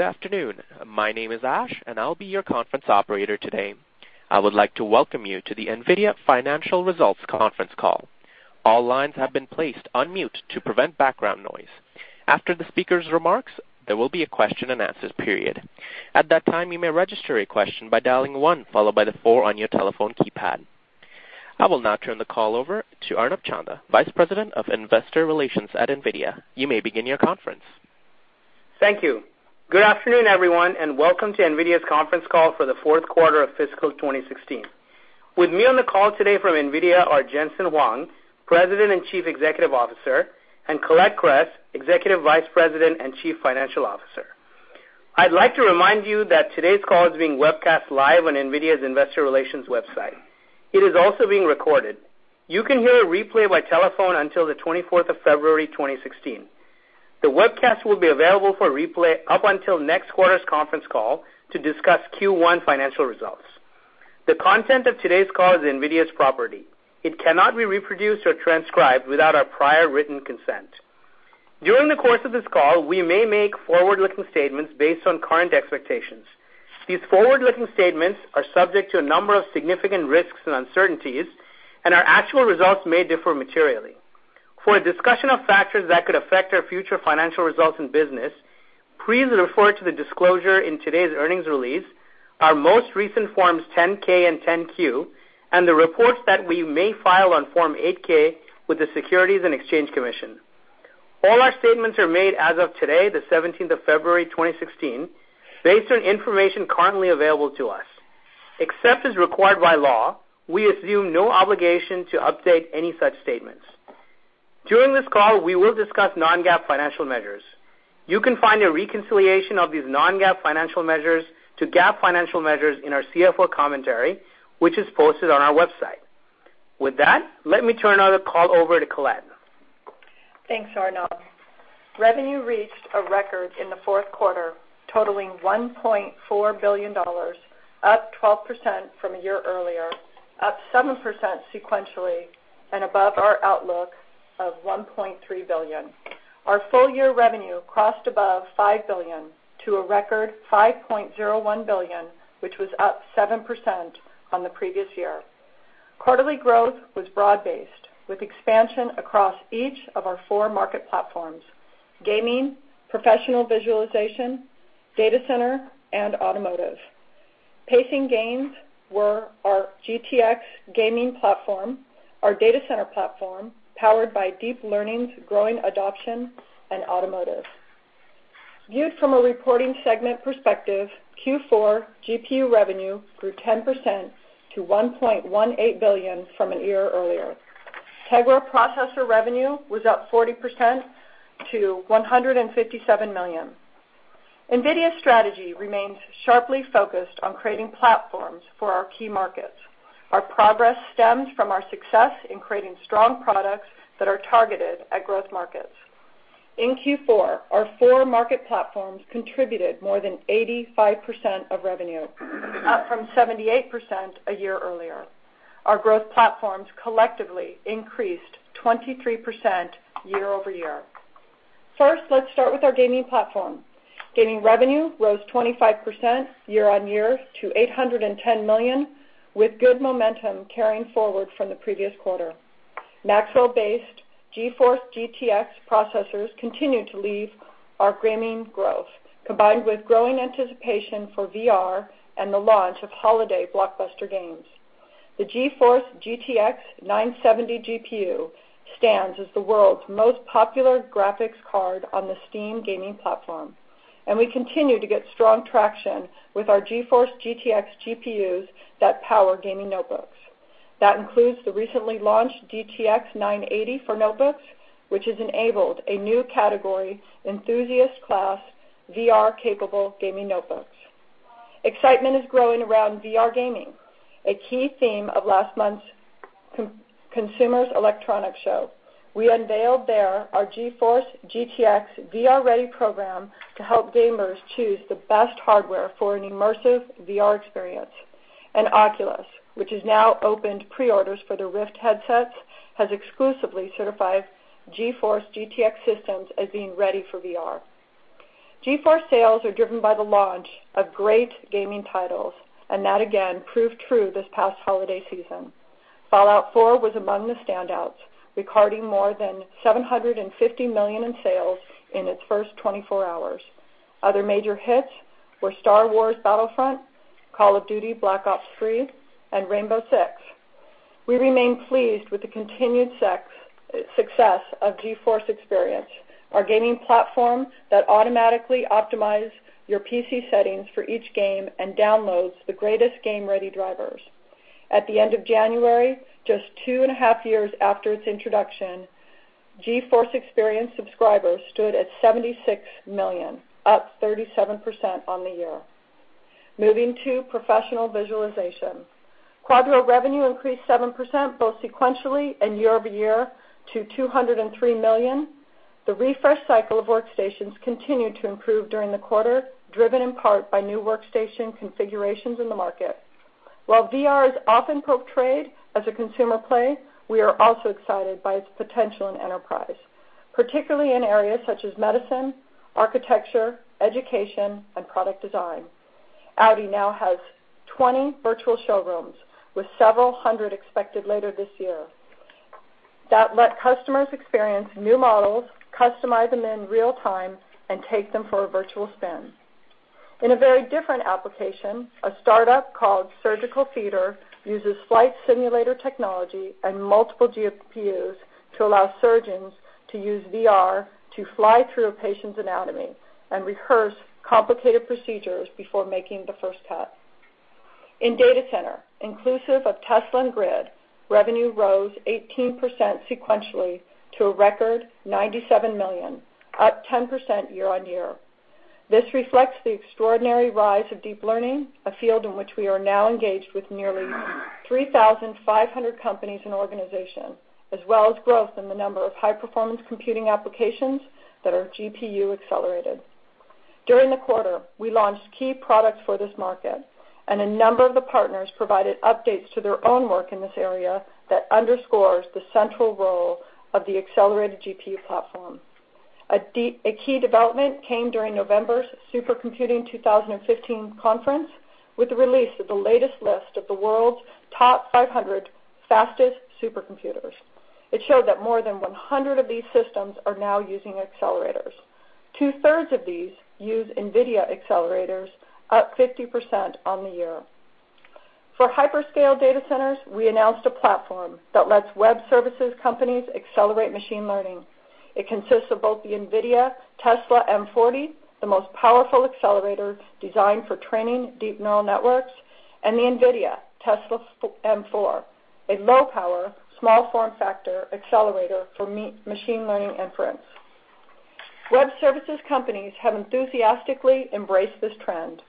Good afternoon. My name is Ash, and I'll be your conference operator today. I would like to welcome you to the NVIDIA Financial Results conference call. All lines have been placed on mute to prevent background noise. After the speaker's remarks, there will be a question and answers period. At that time, you may register a question by dialing one followed by the four on your telephone keypad. I will now turn the call over to Arnab Chanda, Vice President of Investor Relations at NVIDIA. You may begin your conference. Thank you. Good afternoon, everyone, and welcome to NVIDIA's conference call for the fourth quarter of fiscal 2016. With me on the call today from NVIDIA are Jensen Huang, President and Chief Executive Officer, and Colette Kress, Executive Vice President and Chief Financial Officer. I'd like to remind you that today's call is being webcast live on NVIDIA's investor relations website. It is also being recorded. You can hear a replay by telephone until the 24th of February 2016. The webcast will be available for replay up until next quarter's conference call to discuss Q1 financial results. The content of today's call is NVIDIA's property. It cannot be reproduced or transcribed without our prior written consent. During the course of this call, we may make forward-looking statements based on current expectations. These forward-looking statements are subject to a number of significant risks and uncertainties, and our actual results may differ materially. For a discussion of factors that could affect our future financial results and business, please refer to the disclosure in today's earnings release, our most recent Forms 10-K and 10-Q, and the reports that we may file on Form 8-K with the Securities and Exchange Commission. All our statements are made as of today, the 17th of February 2016, based on information currently available to us. Except as required by law, we assume no obligation to update any such statements. During this call, we will discuss non-GAAP financial measures. You can find a reconciliation of these non-GAAP financial measures to GAAP financial measures in our CFO commentary, which is posted on our website. With that, let me turn the call over to Colette. Thanks, Arnab. Revenue reached a record in the fourth quarter, totaling $1.4 billion, up 12% from a year earlier, up 7% sequentially, and above our outlook of $1.3 billion. Our full year revenue crossed above $5 billion to a record $5.01 billion, which was up 7% from the previous year. Quarterly growth was broad-based, with expansion across each of our four market platforms: gaming, professional visualization, data center, and automotive. Pacing gains were our GTX gaming platform, our data center platform, powered by deep learning's growing adoption, and automotive. Viewed from a reporting segment perspective, Q4 GPU revenue grew 10% to $1.18 billion from a year earlier. Tegra processor revenue was up 40% to $157 million. NVIDIA's strategy remains sharply focused on creating platforms for our key markets. Our progress stems from our success in creating strong products that are targeted at growth markets. In Q4, our four market platforms contributed more than 85% of revenue, up from 78% a year earlier. Our growth platforms collectively increased 23% year-over-year. First, let's start with our gaming platform. Gaming revenue rose 25% year-on-year to $810 million, with good momentum carrying forward from the previous quarter. Maxwell-based GeForce GTX processors continued to lead our gaming growth, combined with growing anticipation for VR and the launch of holiday blockbuster games. The GeForce GTX 970 GPU stands as the world's most popular graphics card on the Steam gaming platform, and we continue to get strong traction with our GeForce GTX GPUs that power gaming notebooks. That includes the recently launched GTX 980 for notebooks, which has enabled a new category, enthusiast class, VR-capable gaming notebooks. Excitement is growing around VR gaming, a key theme of last month's Consumer Electronics Show. We unveiled there our GeForce GTX VR Ready program to help gamers choose the best hardware for an immersive VR experience. Oculus, which has now opened pre-orders for their Rift headsets, has exclusively certified GeForce GTX systems as being ready for VR. GeForce sales are driven by the launch of great gaming titles, and that again proved true this past holiday season. Fallout 4 was among the standouts, recording more than $750 million in sales in its first 24 hours. Other major hits were Star Wars Battlefront, Call of Duty: Black Ops III, and Rainbow Six. We remain pleased with the continued success of GeForce Experience, our gaming platform that automatically optimizes your PC settings for each game and downloads the greatest game-ready drivers. At the end of January, just two and a half years after its introduction, GeForce Experience subscribers stood at 76 million, up 37% on the year. Moving to professional visualization. Quadro revenue increased 7% both sequentially and year-over-year to $203 million. The refresh cycle of workstations continued to improve during the quarter, driven in part by new workstation configurations in the market. While VR is often portrayed as a consumer play, we are also excited by its potential in enterprise, particularly in areas such as medicine, architecture, education, and product design. Audi now has 20 virtual showrooms, with several hundred expected later this year that let customers experience new models, customize them in real time, and take them for a virtual spin. In a very different application, a startup called Surgical Theater uses flight simulator technology and multiple GPUs to allow surgeons to use VR to fly through a patient's anatomy and rehearse complicated procedures before making the first cut. In Data Center, inclusive of Tesla and GRID, revenue rose 18% sequentially to a record $97 million, up 10% year-on-year. This reflects the extraordinary rise of deep learning, a field in which we are now engaged with nearly 3,500 companies and organizations, as well as growth in the number of high-performance computing applications that are GPU accelerated. During the quarter, we launched key products for this market, and a number of the partners provided updates to their own work in this area that underscores the central role of the accelerated GPU platform. A key development came during November's Supercomputing 2015 conference, with the release of the latest list of the world's TOP500 fastest supercomputers. It showed that more than 100 of these systems are now using accelerators. Two-thirds of these use NVIDIA accelerators, up 50% on the year. For hyperscale data centers, we announced a platform that lets web services companies accelerate machine learning. It consists of both the NVIDIA Tesla M40, the most powerful accelerator designed for training deep neural networks, and the NVIDIA Tesla M4, a low-power, small form factor accelerator for machine learning inference. Web services companies have enthusiastically embraced this trend.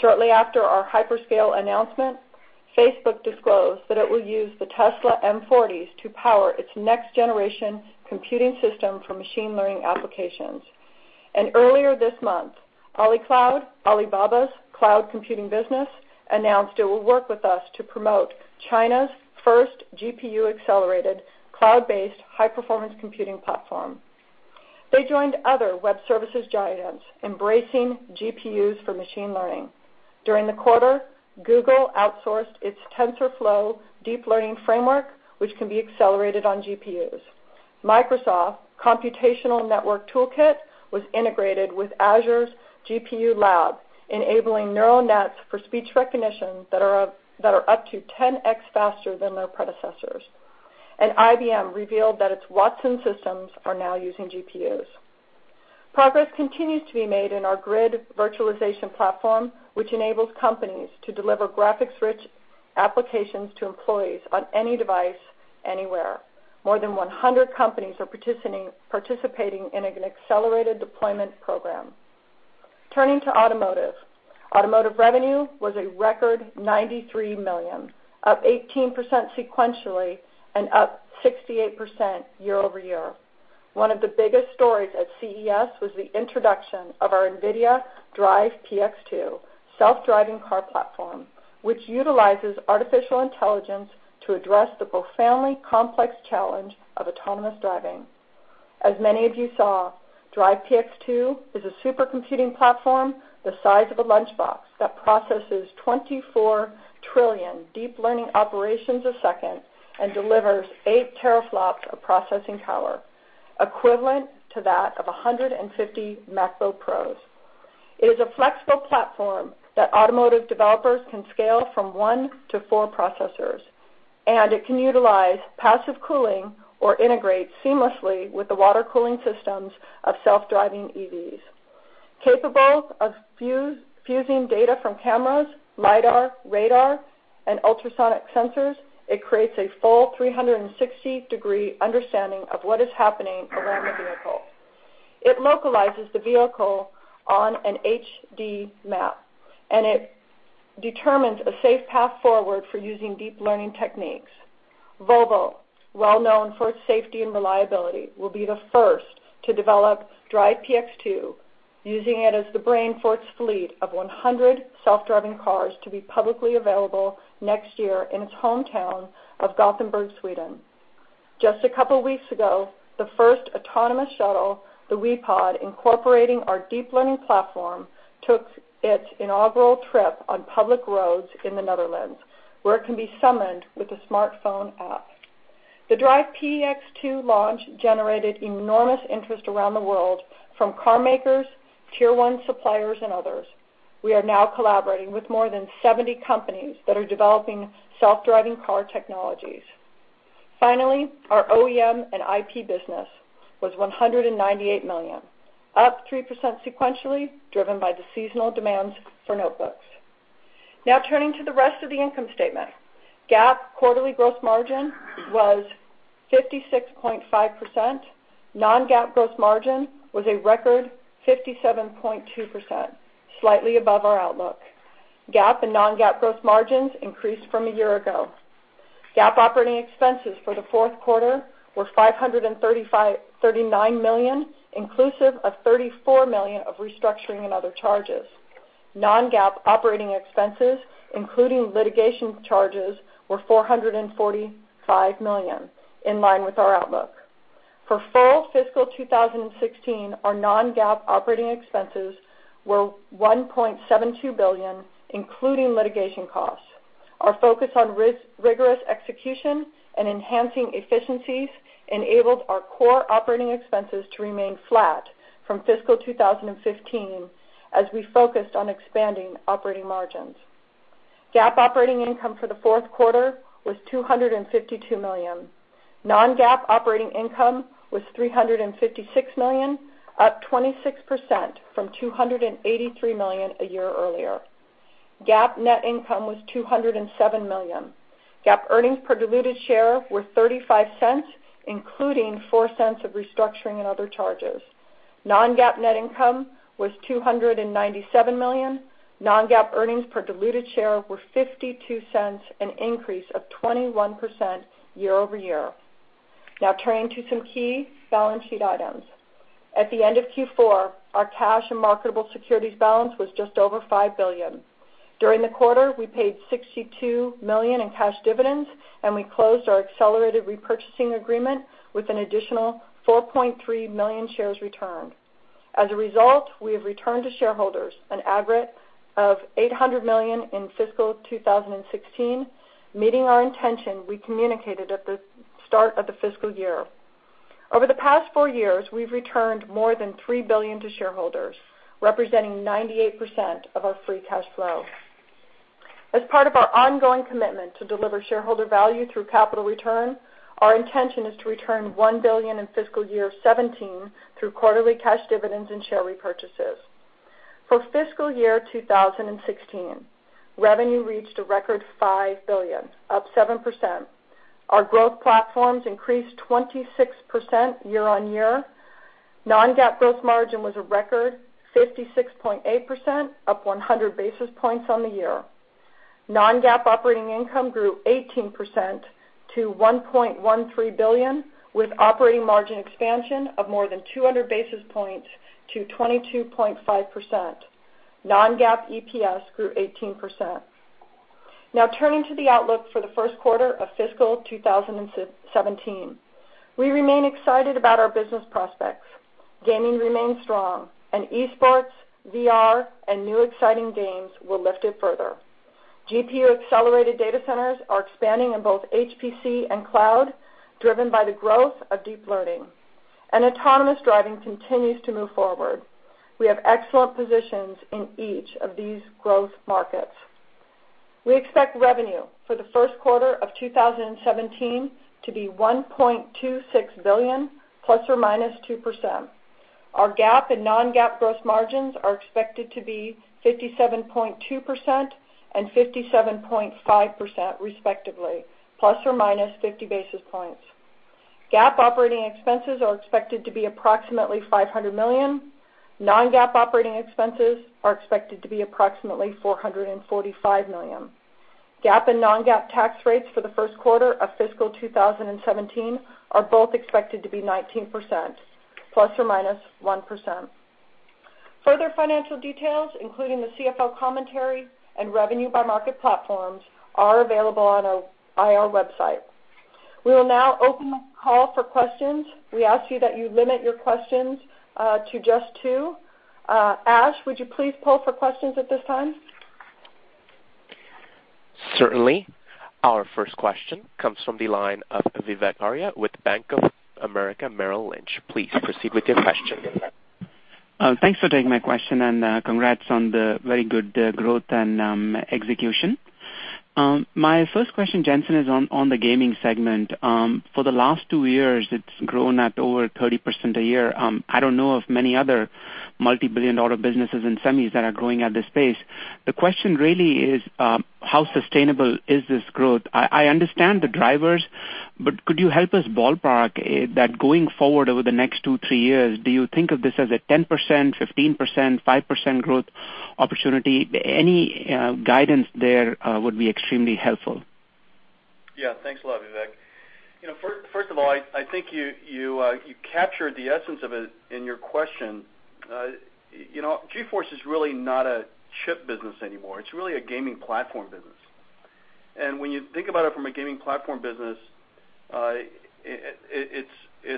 Shortly after our hyperscale announcement, Facebook disclosed that it will use the Tesla M40s to power its next generation computing system for machine learning applications. Earlier this month, AliCloud, Alibaba's cloud computing business, announced it will work with us to promote China's first GPU-accelerated, cloud-based high-performance computing platform. They joined other web services giants embracing GPUs for machine learning. During the quarter, Google outsourced its TensorFlow deep learning framework, which can be accelerated on GPUs. Microsoft Computational Network Toolkit was integrated with Azure's GPU Lab, enabling neural nets for speech recognition that are up to 10X faster than their predecessors. IBM revealed that its Watson systems are now using GPUs. Progress continues to be made in our Grid virtualization platform, which enables companies to deliver graphics-rich applications to employees on any device, anywhere. More than 100 companies are participating in an accelerated deployment program. Turning to automotive. Automotive revenue was a record $93 million, up 18% sequentially and up 68% year-over-year. One of the biggest stories at CES was the introduction of our NVIDIA DRIVE PX 2 self-driving car platform, which utilizes artificial intelligence to address the profoundly complex challenge of autonomous driving. As many of you saw, DRIVE PX 2 is a supercomputing platform the size of a lunchbox that processes 24 trillion deep learning operations a second and delivers eight teraflops of processing power, equivalent to that of 150 MacBook Pros. It is a flexible platform that automotive developers can scale from one to four processors, and it can utilize passive cooling or integrate seamlessly with the water cooling systems of self-driving EVs. Capable of fusing data from cameras, LIDAR, radar, and ultrasonic sensors, it creates a full 360-degree understanding of what is happening around the vehicle. It localizes the vehicle on an HD map, and it determines a safe path forward for using deep learning techniques. Volvo, well known for its safety and reliability, will be the first to develop DRIVE PX 2, using it as the brain for its fleet of 100 self-driving cars to be publicly available next year in its hometown of Gothenburg, Sweden. Just a couple weeks ago, the first autonomous shuttle, the WEpod, incorporating our deep learning platform, took its inaugural trip on public roads in the Netherlands, where it can be summoned with a smartphone app. The DRIVE PX 2 launch generated enormous interest around the world from car makers, tier one suppliers, and others. Finally, our OEM and IP business was $198 million, up 3% sequentially, driven by the seasonal demands for notebooks. Now turning to the rest of the income statement. GAAP quarterly growth margin was 56.5%. Non-GAAP gross margin was a record 57.2%, slightly above our outlook. GAAP and non-GAAP gross margins increased from a year ago. GAAP operating expenses for the fourth quarter were $539 million, inclusive of $34 million of restructuring and other charges. Non-GAAP operating expenses, including litigation charges, were $445 million, in line with our outlook. For full fiscal 2016, our non-GAAP operating expenses were $1.72 billion, including litigation costs. Our focus on rigorous execution and enhancing efficiencies enabled our core operating expenses to remain flat from fiscal 2015 as we focused on expanding operating margins. GAAP operating income for the fourth quarter was $252 million. Non-GAAP operating income was $356 million, up 26% from $283 million a year earlier. GAAP net income was $207 million. GAAP earnings per diluted share were $0.35, including $0.04 of restructuring and other charges. Non-GAAP net income was $297 million. Non-GAAP earnings per diluted share were $0.52, an increase of 21% year-over-year. Now turning to some key balance sheet items. At the end of Q4, our cash and marketable securities balance was just over $5 billion. During the quarter, we paid $62 million in cash dividends, and we closed our accelerated repurchasing agreement with an additional 4.3 million shares returned. As a result, we have returned to shareholders an aggregate of $800 million in fiscal 2016, meeting our intention we communicated at the start of the fiscal year. Over the past four years, we've returned more than $3 billion to shareholders, representing 98% of our free cash flow. As part of our ongoing commitment to deliver shareholder value through capital return, our intention is to return $1 billion in fiscal year 2017 through quarterly cash dividends and share repurchases. For fiscal year 2016, revenue reached a record $5 billion, up 7%. Our growth platforms increased 26% year-on-year. Non-GAAP gross margin was a record 56.8%, up 100 basis points on the year. Non-GAAP operating income grew 18% to $1.13 billion, with operating margin expansion of more than 200 basis points to 22.5%. Non-GAAP EPS grew 18%. Now turning to the outlook for the first quarter of fiscal 2017. We remain excited about our business prospects. Gaming remains strong, and esports, VR, and new exciting games will lift it further. GPU-accelerated data centers are expanding in both HPC and cloud, driven by the growth of deep learning, and autonomous driving continues to move forward. We have excellent positions in each of these growth markets. We expect revenue for the first quarter of 2017 to be $1.26 billion, ±2%. Our GAAP and non-GAAP gross margins are expected to be 57.2% and 57.5%, respectively, ±50 basis points. GAAP operating expenses are expected to be approximately $500 million. Non-GAAP operating expenses are expected to be approximately $445 million. GAAP and non-GAAP tax rates for the first quarter of fiscal 2017 are both expected to be 19%, ±1%. Further financial details, including the CFO commentary and revenue by market platforms, are available on our IR website. We will now open the call for questions. We ask you that you limit your questions to just two. Ash, would you please poll for questions at this time? Certainly. Our first question comes from the line of Vivek Arya with Bank of America Merrill Lynch. Please proceed with your question. Thanks for taking my question, congrats on the very good growth and execution. My first question, Jensen, is on the gaming segment. For the last two years, it's grown at over 30% a year. I don't know of many other multibillion-dollar businesses in semis that are growing at this pace. The question really is, how sustainable is this growth? I understand the drivers, but could you help us ballpark that going forward over the next two, three years, do you think of this as a 10%, 15%, 5% growth opportunity? Any guidance there would be extremely helpful. Yeah. Thanks a lot, Vivek. First of all, I think you captured the essence of it in your question. GeForce is really not a chip business anymore. It's really a gaming platform business. When you think about it from a gaming platform business, it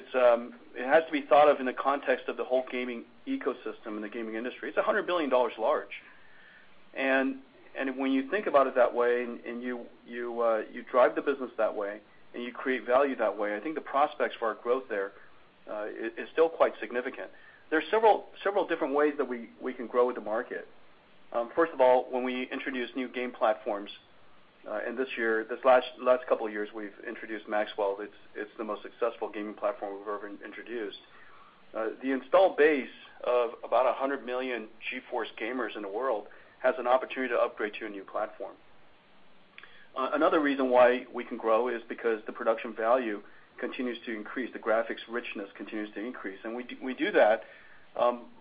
has to be thought of in the context of the whole gaming ecosystem in the gaming industry. It's $100 billion large. When you think about it that way, and you drive the business that way, and you create value that way, I think the prospects for our growth there is still quite significant. There's several different ways that we can grow the market. First of all, when we introduce new game platforms, and this last couple of years, we've introduced Maxwell. It's the most successful gaming platform we've ever introduced. The install base of about 100 million GeForce gamers in the world has an opportunity to upgrade to a new platform. Another reason why we can grow is because the production value continues to increase, the graphics richness continues to increase, and we do that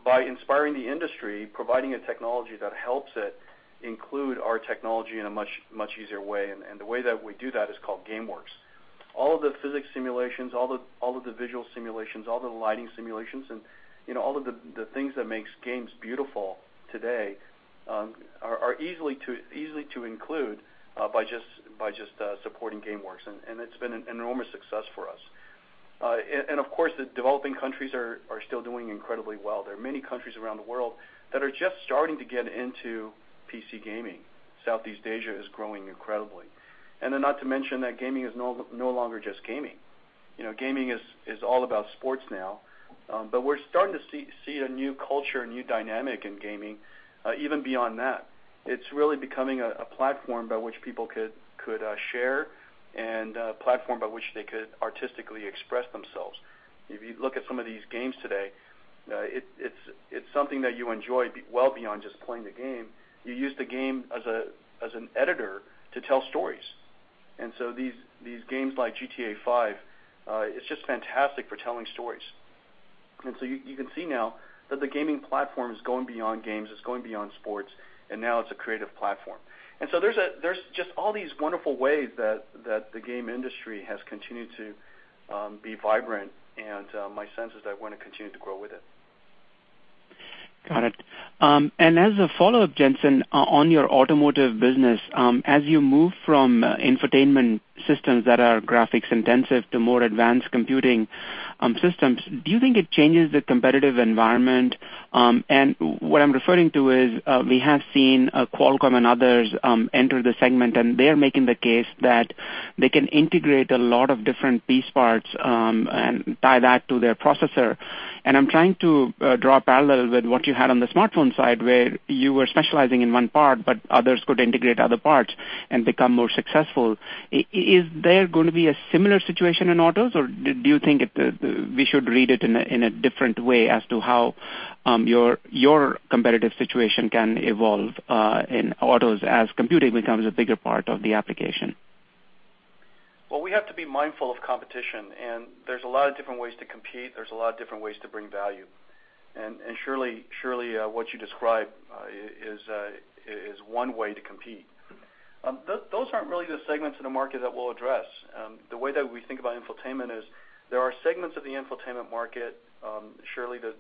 by inspiring the industry, providing a technology that helps it Include our technology in a much easier way. The way that we do that is called GameWorks. All of the physics simulations, all of the visual simulations, all the lighting simulations, and all of the things that makes games beautiful today are easy to include by just supporting GameWorks, and it's been an enormous success for us. Of course, the developing countries are still doing incredibly well. There are many countries around the world that are just starting to get into PC gaming. Southeast Asia is growing incredibly. Not to mention that gaming is no longer just gaming. Gaming is all about sports now. We're starting to see a new culture, a new dynamic in gaming. Even beyond that, it's really becoming a platform by which people could share and a platform by which they could artistically express themselves. If you look at some of these games today, it's something that you enjoy well beyond just playing the game. You use the game as an editor to tell stories. These games like "Grand Theft Auto V", it's just fantastic for telling stories. You can see now that the gaming platform is going beyond games, it's going beyond sports, and now it's a creative platform. There's just all these wonderful ways that the game industry has continued to be vibrant, and my sense is that we're going to continue to grow with it. Got it. As a follow-up, Jensen, on your automotive business, as you move from infotainment systems that are graphics-intensive to more advanced computing systems, do you think it changes the competitive environment? What I'm referring to is we have seen Qualcomm and others enter the segment, and they're making the case that they can integrate a lot of different piece parts, and tie that to their processor. I'm trying to draw a parallel with what you had on the smartphone side, where you were specializing in one part, but others could integrate other parts and become more successful. Is there going to be a similar situation in autos, or do you think we should read it in a different way as to how your competitive situation can evolve in autos as computing becomes a bigger part of the application? Well, we have to be mindful of competition, and there's a lot of different ways to compete. There's a lot of different ways to bring value. Surely, what you described is one way to compete. Those aren't really the segments of the market that we'll address. The way that we think about infotainment is there are segments of the infotainment market, surely the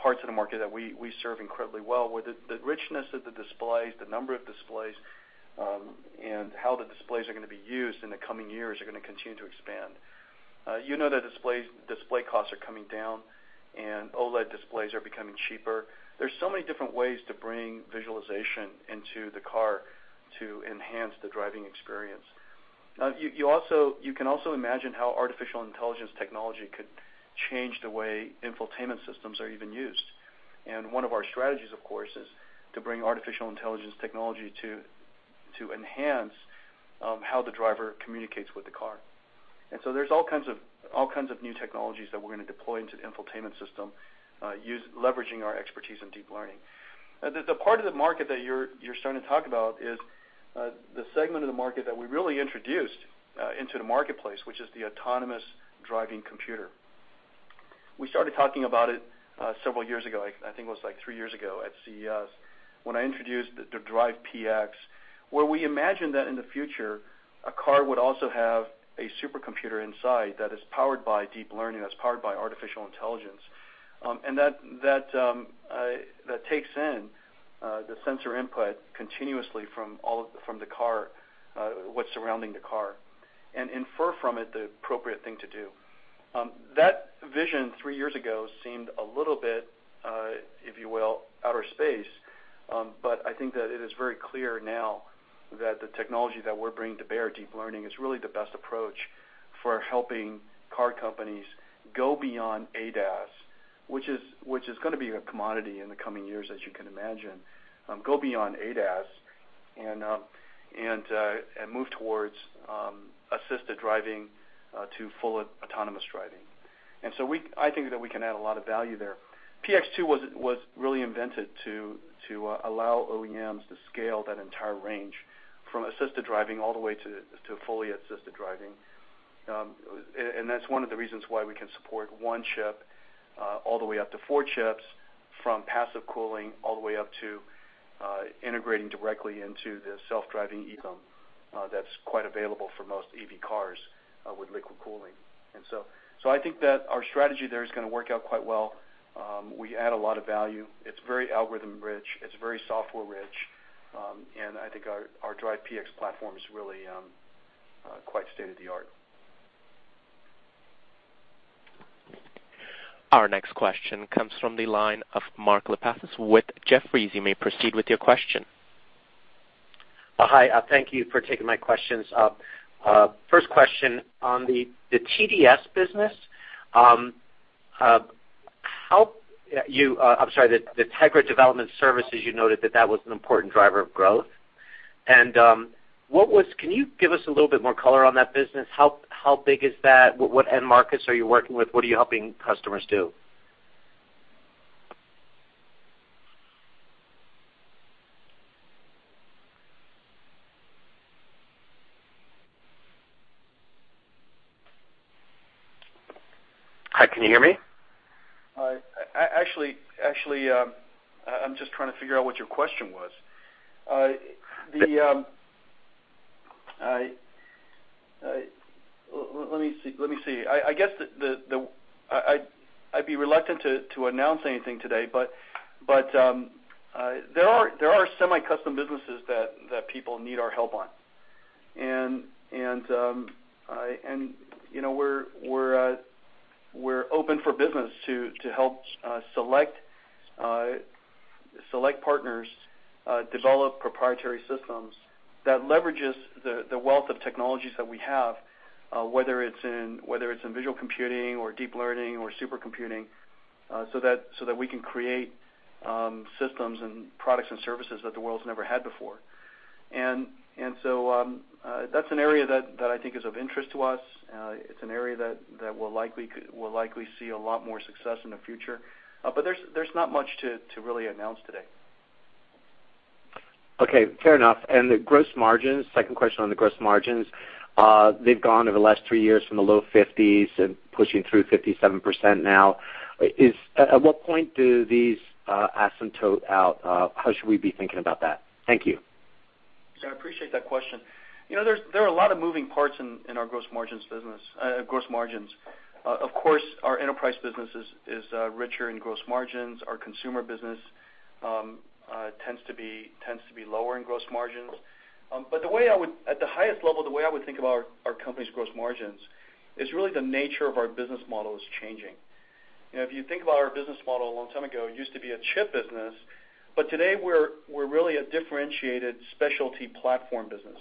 parts of the market that we serve incredibly well, where the richness of the displays, the number of displays, and how the displays are going to be used in the coming years are going to continue to expand. You know that display costs are coming down, and OLED displays are becoming cheaper. There's so many different ways to bring visualization into the car to enhance the driving experience. You can also imagine how artificial intelligence technology could change the way infotainment systems are even used. One of our strategies, of course, is to bring artificial intelligence technology to enhance how the driver communicates with the car. There's all kinds of new technologies that we're going to deploy into the infotainment system, leveraging our expertise in deep learning. The part of the market that you're starting to talk about is the segment of the market that we really introduced into the marketplace, which is the autonomous driving computer. We started talking about it several years ago, I think it was 3 years ago at CES, when I introduced the DRIVE PX, where we imagined that in the future, a car would also have a supercomputer inside that is powered by deep learning, that's powered by artificial intelligence. That takes in the sensor input continuously from the car, what's surrounding the car, and infer from it the appropriate thing to do. That vision 3 years ago seemed a little bit, if you will, outer space. I think that it is very clear now that the technology that we're bringing to bear, deep learning, is really the best approach for helping car companies go beyond ADAS, which is going to be a commodity in the coming years, as you can imagine. Go beyond ADAS and move towards assisted driving to full autonomous driving. I think that we can add a lot of value there. PX 2 was really invented to allow OEMs to scale that entire range from assisted driving all the way to fully assisted driving. That's one of the reasons why we can support one chip all the way up to four chips from passive cooling all the way up to integrating directly into the self-driving [E-com] that's quite available for most EV cars with liquid cooling. I think that our strategy there is going to work out quite well. We add a lot of value. It's very algorithm rich, it's very software rich. I think our DRIVE PX platform is really quite state-of-the-art. Our next question comes from the line of Mark Lipacis with Jefferies. You may proceed with your question. Hi, thank you for taking my questions. First question on the TDS business. I'm sorry, the Tegra Development Services, you noted that was an important driver of growth. Can you give us a little bit more color on that business? How big is that? What end markets are you working with? What are you helping customers do? Can you hear me? Actually, I'm just trying to figure out what your question was. Let me see. I'd be reluctant to announce anything today, but there are semi-custom businesses that people need our help on. We're open for business to help select partners develop proprietary systems that leverages the wealth of technologies that we have, whether it's in visual computing or deep learning or supercomputing, so that we can create systems and products and services that the world's never had before. That's an area that I think is of interest to us. It's an area that will likely see a lot more success in the future. There's not much to really announce today. Okay. Fair enough. The gross margins, second question on the gross margins, they've gone over the last three years from the low 50s and pushing through 57% now. At what point do these asymptote out? How should we be thinking about that? Thank you. I appreciate that question. There are a lot of moving parts in our gross margins business. Of course, our enterprise business is richer in gross margins. Our consumer business tends to be lower in gross margins. At the highest level, the way I would think about our company's gross margins is really the nature of our business model is changing. If you think about our business model a long time ago, it used to be a chip business, but today we're really a differentiated specialty platform business.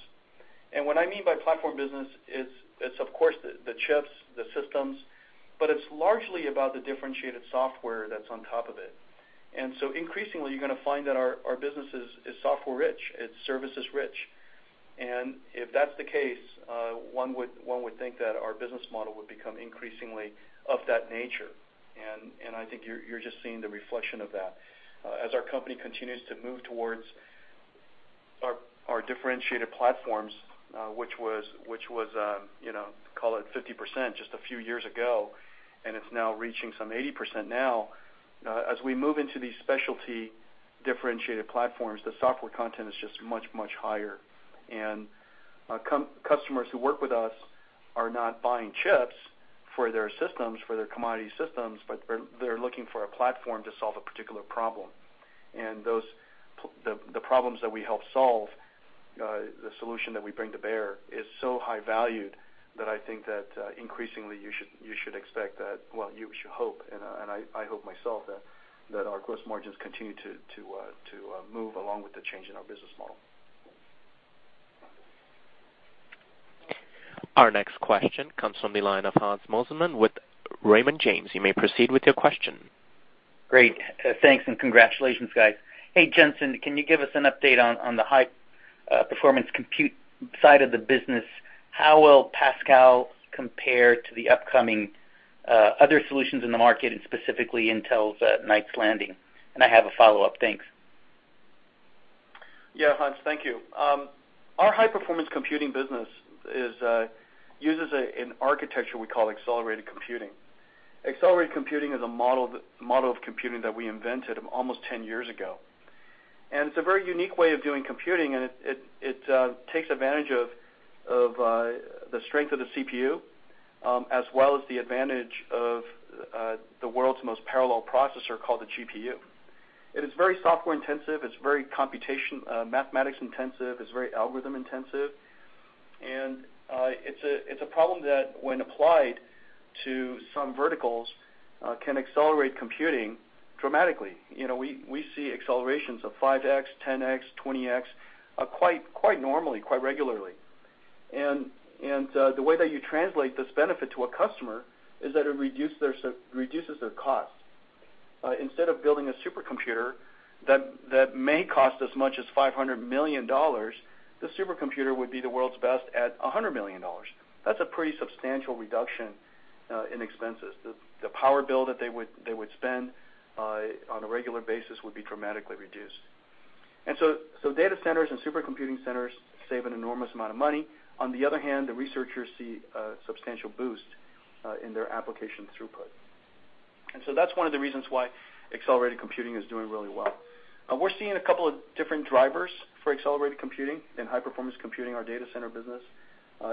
What I mean by platform business is, it's of course the chips, the systems, but it's largely about the differentiated software that's on top of it. Increasingly, you're going to find that our business is software rich, it's services rich. If that's the case, one would think that our business model would become increasingly of that nature. I think you're just seeing the reflection of that. As our company continues to move towards our differentiated platforms, which was, call it 50% just a few years ago, and it's now reaching some 80% now. As we move into these specialty differentiated platforms, the software content is just much, much higher. Customers who work with us are not buying chips for their commodity systems, but they're looking for a platform to solve a particular problem. The problems that we help solve, the solution that we bring to bear is so high valued that I think that increasingly you should expect that, well, you should hope, and I hope myself that our gross margins continue to move along with the change in our business model. Our next question comes from the line of Hans Mosesmann with Raymond James. You may proceed with your question. Great. Thanks and congratulations, guys. Hey, Jensen, can you give us an update on the high-performance compute side of the business? How will Pascal compare to the upcoming other solutions in the market, specifically Intel's Knights Landing? I have a follow-up. Thanks. Yeah, Hans, thank you. Our high-performance computing business uses an architecture we call accelerated computing. Accelerated computing is a model of computing that we invented almost 10 years ago, and it's a very unique way of doing computing, and it takes advantage of the strength of the CPU, as well as the advantage of the world's most parallel processor called the GPU. It is very software intensive. It's very computation, mathematics intensive. It's very algorithm intensive. It's a problem that when applied to some verticals, can accelerate computing dramatically. We see accelerations of 5x, 10x, 20x, quite normally, quite regularly. The way that you translate this benefit to a customer is that it reduces their cost. Instead of building a supercomputer that may cost as much as $500 million, the supercomputer would be the world's best at $100 million. That's a pretty substantial reduction in expenses. The power bill that they would spend on a regular basis would be dramatically reduced. Data centers and supercomputing centers save an enormous amount of money. On the other hand, the researchers see a substantial boost in their application throughput. That's one of the reasons why accelerated computing is doing really well. We're seeing a couple of different drivers for accelerated computing and high-performance computing, our data center business.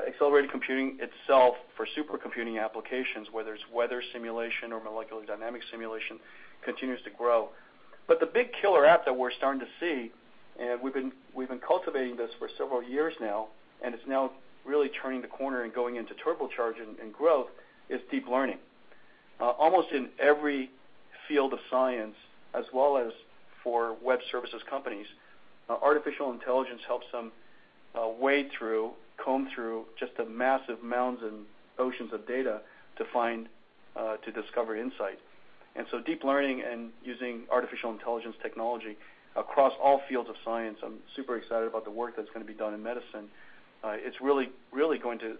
Accelerated computing itself for supercomputing applications, whether it's weather simulation or molecular dynamic simulation, continues to grow. The big killer app that we're starting to see, and we've been cultivating this for several years now, and it's now really turning the corner and going into turbocharge and growth, is deep learning. Almost in every field of science, as well as for web services companies, artificial intelligence helps them wade through, comb through just the massive mounds and oceans of data to discover insight. Deep learning and using artificial intelligence technology across all fields of science, I'm super excited about the work that's going to be done in medicine. It's really going to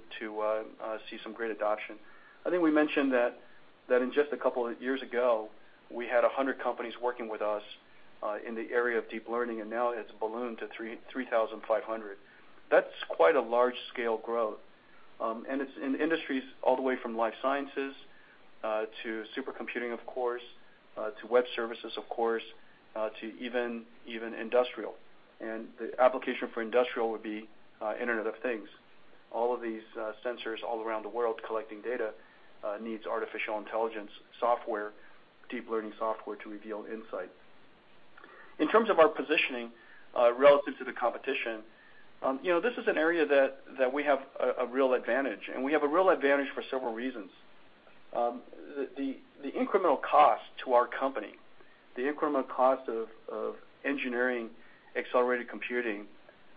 see some great adoption. I think we mentioned that in just a couple of years ago, we had 100 companies working with us. In the area of deep learning, and now it's ballooned to 3,500. That's quite a large-scale growth, and it's in industries all the way from life sciences to supercomputing, of course, to web services, of course, to even industrial. The application for industrial would be Internet of Things. All of these sensors all around the world collecting data needs artificial intelligence software, deep learning software to reveal insights. In terms of our positioning relative to the competition, this is an area that we have a real advantage, and we have a real advantage for several reasons. The incremental cost to our company, the incremental cost of engineering accelerated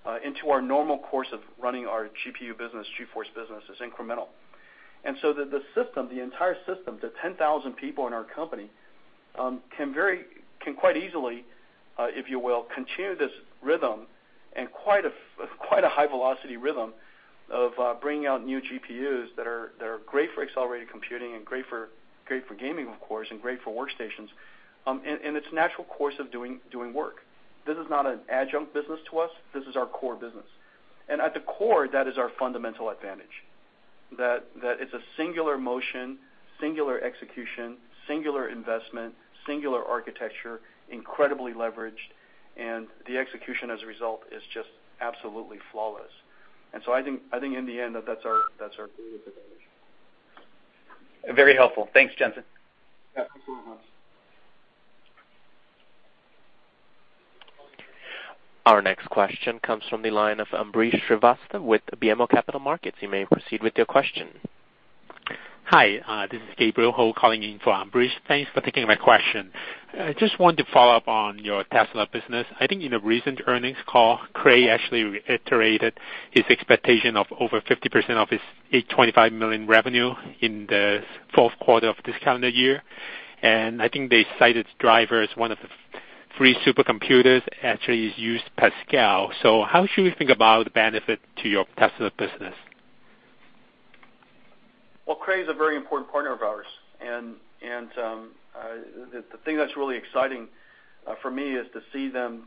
computing into our normal course of running our GPU business, GeForce business is incremental. The entire system, the 10,000 people in our company, can quite easily, if you will, continue this rhythm and quite a high velocity rhythm of bringing out new GPUs that are great for accelerated computing and great for gaming, of course, and great for workstations, in its natural course of doing work. This is not an adjunct business to us. This is our core business. At the core, that is our fundamental advantage, that it's a singular motion, singular execution, singular investment, singular architecture, incredibly leveraged, and the execution as a result is just absolutely flawless. I think in the end, that's our competitive advantage. Very helpful. Thanks, Jensen. Yeah. Thanks so much. Our next question comes from the line of Ambrish Srivastava with BMO Capital Markets. You may proceed with your question. Hi, this is Gabriel Ho calling in for Ambrish. Thanks for taking my question. I just wanted to follow up on your Tesla business. I think in a recent earnings call, Cray actually reiterated his expectation of over 50% of his $825 million revenue in the fourth quarter of this calendar year. I think they cited DRIVE PX as one of the three supercomputers actually has used Pascal. How should we think about the benefit to your Tesla business? Well, Cray is a very important partner of ours. The thing that's really exciting for me is to see them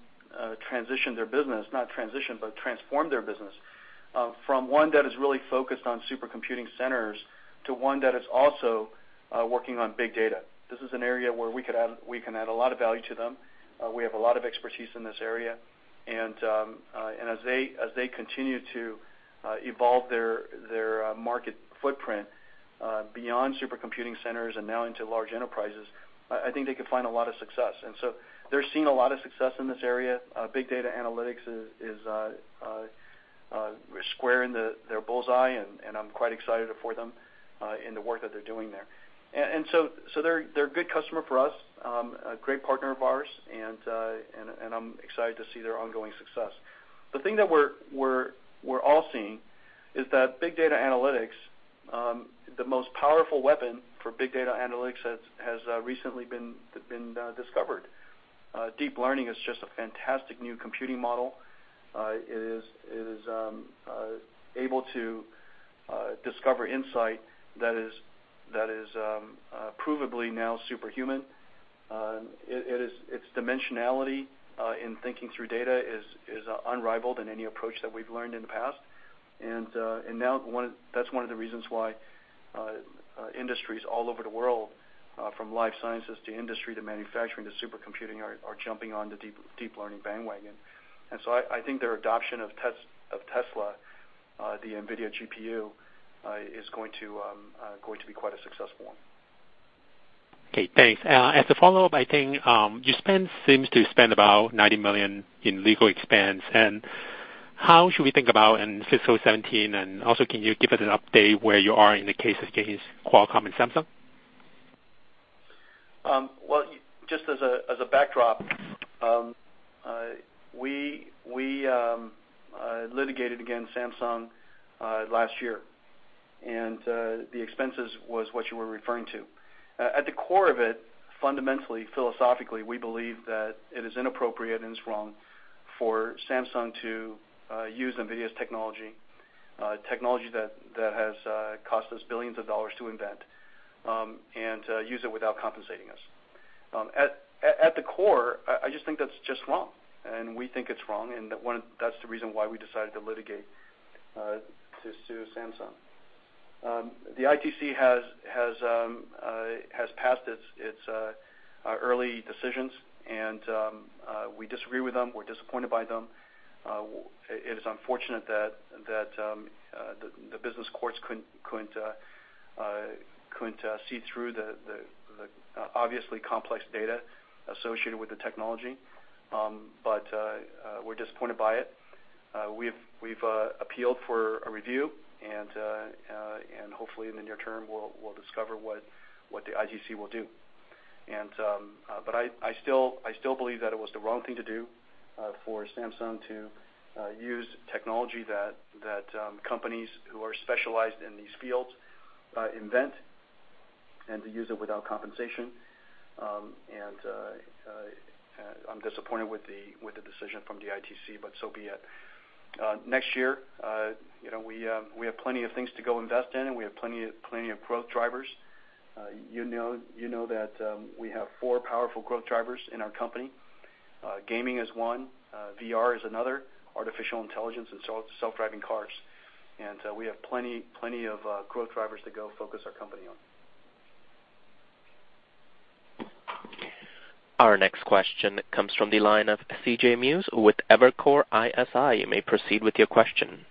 transition their business, not transition, but transform their business from one that is really focused on supercomputing centers to one that is also working on big data. This is an area where we can add a lot of value to them. We have a lot of expertise in this area. As they continue to evolve their market footprint beyond supercomputing centers and now into large enterprises, I think they can find a lot of success. They're seeing a lot of success in this area. Big data analytics is square in their bullseye. I'm quite excited for them in the work that they're doing there. They're a good customer for us, a great partner of ours, and I'm excited to see their ongoing success. The thing that we're all seeing is that big data analytics, the most powerful weapon for big data analytics has recently been discovered. Deep learning is just a fantastic new computing model. It is able to discover insight that is provably now superhuman. Its dimensionality in thinking through data is unrivaled in any approach that we've learned in the past. Now that's one of the reasons why industries all over the world, from life sciences to industry to manufacturing to supercomputing, are jumping on the deep learning bandwagon. I think their adoption of Tesla, the NVIDIA GPU, is going to be quite a successful one. Okay, thanks. As a follow-up, I think you seem to spend about $90 million in legal expense. How should we think about in fiscal 2017? Can you give us an update where you are in the cases against Qualcomm and Samsung? Well, just as a backdrop, we litigated against Samsung last year. The expenses was what you were referring to. At the core of it, fundamentally, philosophically, we believe that it is inappropriate and it's wrong for Samsung to use NVIDIA's technology that has cost us billions of dollars to invent, use it without compensating us. At the core, I just think that's just wrong. We think it's wrong. That's the reason why we decided to litigate to sue Samsung. The ITC has passed its early decisions. We disagree with them. We're disappointed by them. It is unfortunate that the business courts couldn't see through the obviously complex data associated with the technology. We're disappointed by it. We've appealed for a review. Hopefully in the near term, we'll discover what the ITC will do. I still believe that it was the wrong thing to do for Samsung to use technology that companies who are specialized in these fields invent and to use it without compensation. I'm disappointed with the decision from the ITC, but so be it. Next year, we have plenty of things to go invest in. We have plenty of growth drivers. You know that we have 4 powerful growth drivers in our company. Gaming is 1, VR is another, artificial intelligence and self-driving cars. We have plenty of growth drivers to go focus our company on. Our next question comes from the line of CJ Muse with Evercore ISI. You may proceed with your question.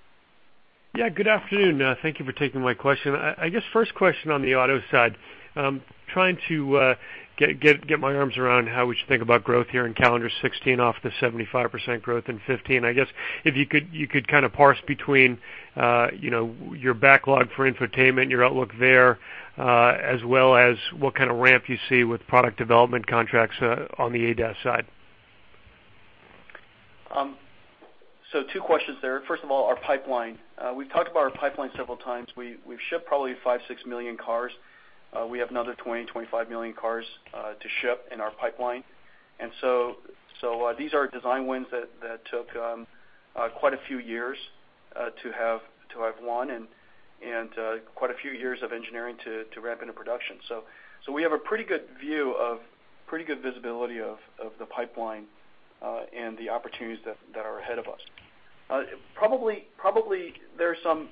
Two questions there. First of all, our pipeline. We've talked about our pipeline several times. We've shipped probably five, six million cars. We have another 20, 25 million cars to ship in our pipeline. These are design wins that took quite a few years to have won and quite a few years of engineering to ramp into production. We have a pretty good view of, pretty good visibility of the pipeline, and the opportunities that are ahead of us. Probably there's some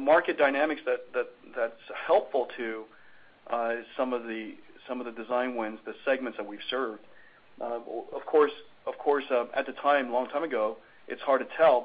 market dynamics that's helpful to some of the design wins, the segments that we've served. Of course, at the time, long time ago, it's hard to tell,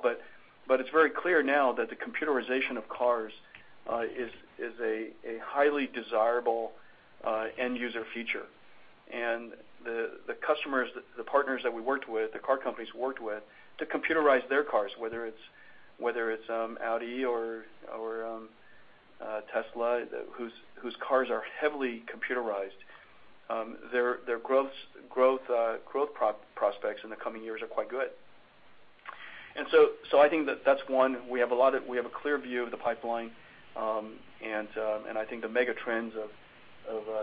So I think that's one. We have a clear view of the pipeline, I think the mega trends of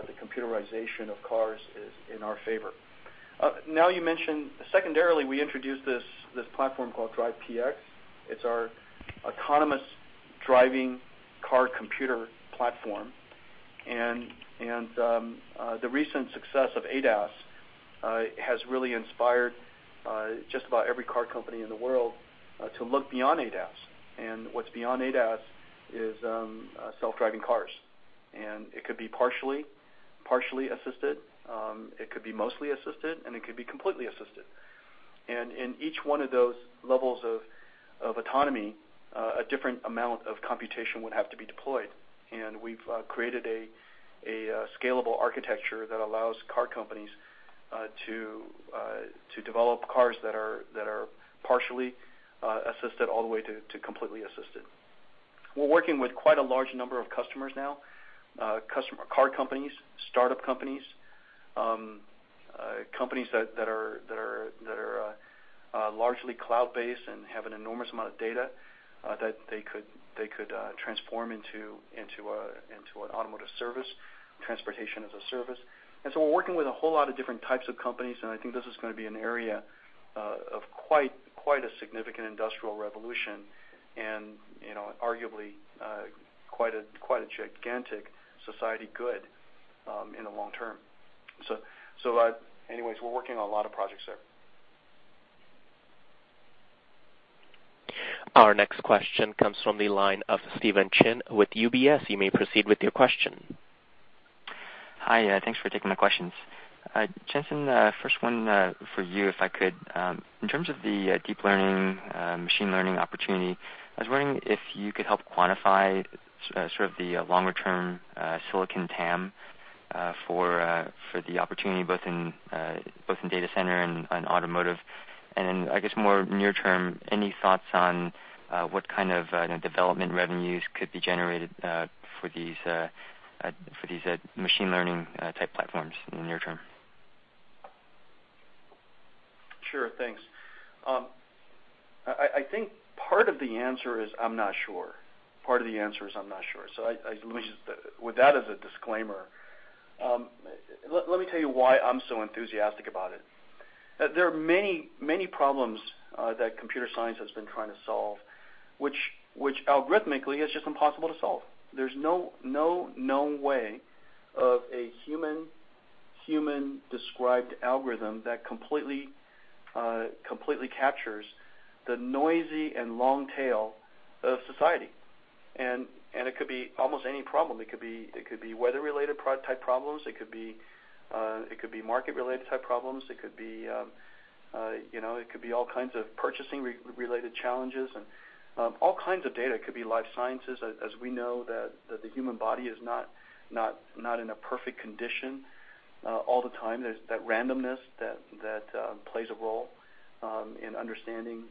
the computerization of cars is in our favor. Now you mentioned secondarily, we introduced this platform called DRIVE PX. It's our autonomous driving car computer platform. The recent success of ADAS has really inspired just about every car company in the world to look beyond ADAS. What's beyond ADAS is self-driving cars. It could be partially assisted, it could be mostly assisted, it could be completely assisted. In each one of those levels of autonomy, a different amount of computation would have to be deployed. We've created a scalable architecture that allows car companies to develop cars that are partially assisted all the way to completely assisted. We're working with quite a large number of customers now. Car companies, startup companies that are largely cloud-based and have an enormous amount of data that they could transform into an automotive service, transportation as a service. We're working with a whole lot of different types of companies, I think this is going to be an area of quite a significant industrial revolution and arguably quite a gigantic society good in the long term. Anyways, we're working on a lot of projects there. Our next question comes from the line of Stephen Chin with UBS. You may proceed with your question. Hi. Thanks for taking my questions. Jensen, first one for you, if I could. In terms of the deep learning, machine learning opportunity, I was wondering if you could help quantify sort of the longer term silicon TAM for the opportunity both in data center and automotive. Then I guess more near term, any thoughts on what kind of development revenues could be generated for these machine learning type platforms in the near term? Sure. Thanks. I think part of the answer is I'm not sure. Part of the answer is I'm not sure. Let me just, with that as a disclaimer, let me tell you why I'm so enthusiastic about it. There are many problems that computer science has been trying to solve, which algorithmically is just impossible to solve. There's no known way of a human-described algorithm that completely captures the noisy and long tail of society. It could be almost any problem. It could be weather-related type problems, it could be market-related type problems, it could be all kinds of purchasing-related challenges and all kinds of data. It could be life sciences as we know that the human body is not in a perfect condition all the time. There's that randomness that plays a role in understanding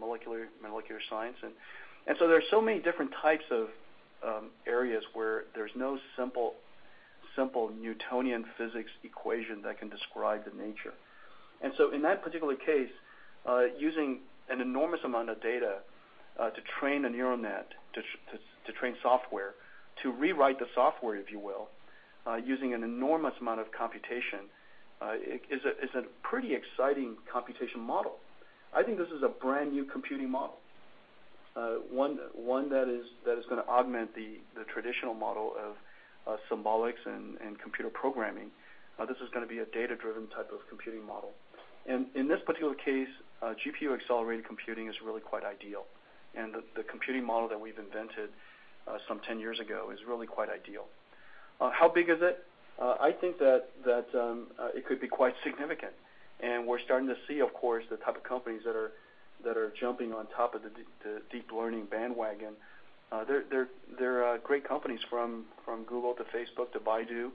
molecular science. There are so many different types of areas where there's no simple Newtonian physics equation that can describe the nature. In that particular case, using an enormous amount of data to train a neural net, to train software, to rewrite the software, if you will, using an enormous amount of computation, is a pretty exciting computation model. I think this is a brand-new computing model, one that is going to augment the traditional model of symbolics and computer programming. This is going to be a data-driven type of computing model. In this particular case, GPU-accelerated computing is really quite ideal, and the computing model that we've invented some 10 years ago is really quite ideal. How big is it? I think that it could be quite significant, and we're starting to see, of course, the type of companies that are jumping on top of the deep learning bandwagon. There are great companies from Google to Facebook to Baidu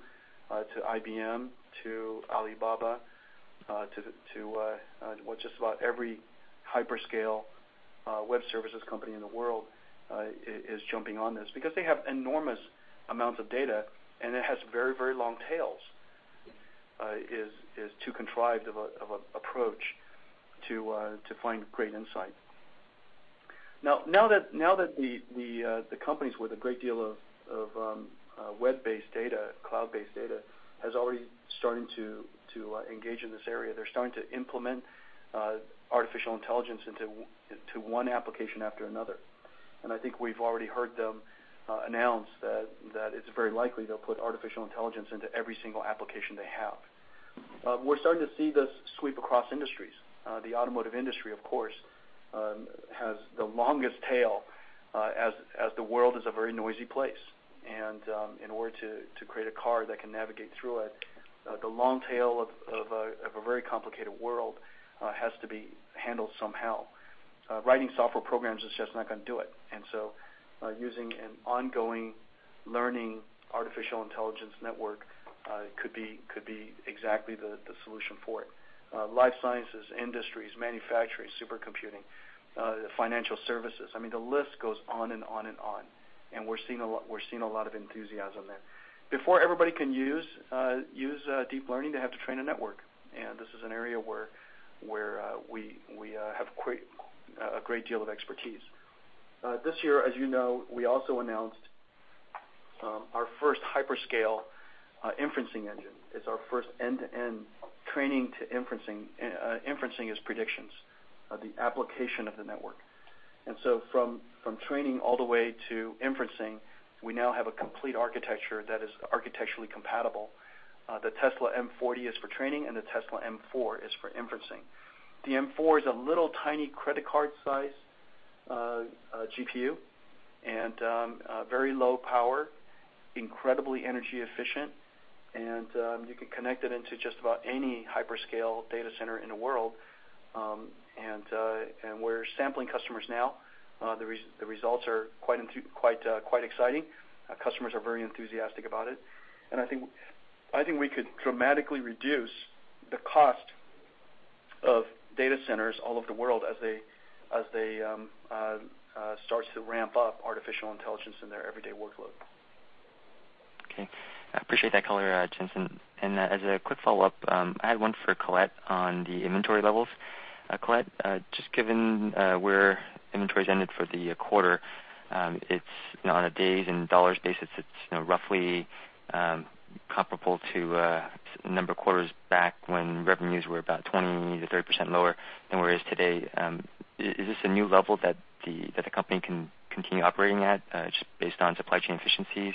to IBM to Alibaba to just about every hyperscale web services company in the world is jumping on this because they have enormous amounts of data, and it has very long tails, is too contrived of an approach to find great insight. Now that the companies with a great deal of web-based data, cloud-based data, has already started to engage in this area, they're starting to implement artificial intelligence into one application after another. I think we've already heard them announce that it's very likely they'll put artificial intelligence into every single application they have. We're starting to see this sweep across industries. The automotive industry, of course, has the longest tail, as the world is a very noisy place, and in order to create a car that can navigate through it, the long tail of a very complicated world has to be handled somehow. Writing software programs is just not going to do it, using an ongoing learning artificial intelligence network could be exactly the solution for it. Life sciences, industries, manufacturing, supercomputing, financial services. I mean, the list goes on and on. We're seeing a lot of enthusiasm there. Before everybody can use deep learning, they have to train a network. This is an area where we have a great deal of expertise. This year, as you know, we also announced our first hyperscale inferencing engine. It's our first end-to-end training to inferencing. Inferencing is predictions of the application of the network. From training all the way to inferencing, we now have a complete architecture that is architecturally compatible. The Tesla M40 is for training, and the Tesla M4 is for inferencing. The M4 is a little, tiny credit card-sized GPU, very low power, incredibly energy efficient, and you can connect it into just about any hyperscale data center in the world. We're sampling customers now. The results are quite exciting. Customers are very enthusiastic about it, and I think we could dramatically reduce the cost of data centers all over the world as they start to ramp up artificial intelligence in their everyday workload. Okay. I appreciate that color, Jensen. As a quick follow-up, I had one for Colette on the inventory levels. Colette, just given where inventories ended for the quarter, on a days and $ basis, it's roughly comparable to a number of quarters back when revenues were about 20%-30% lower than whereas today. Is this a new level that the company can continue operating at just based on supply chain efficiencies?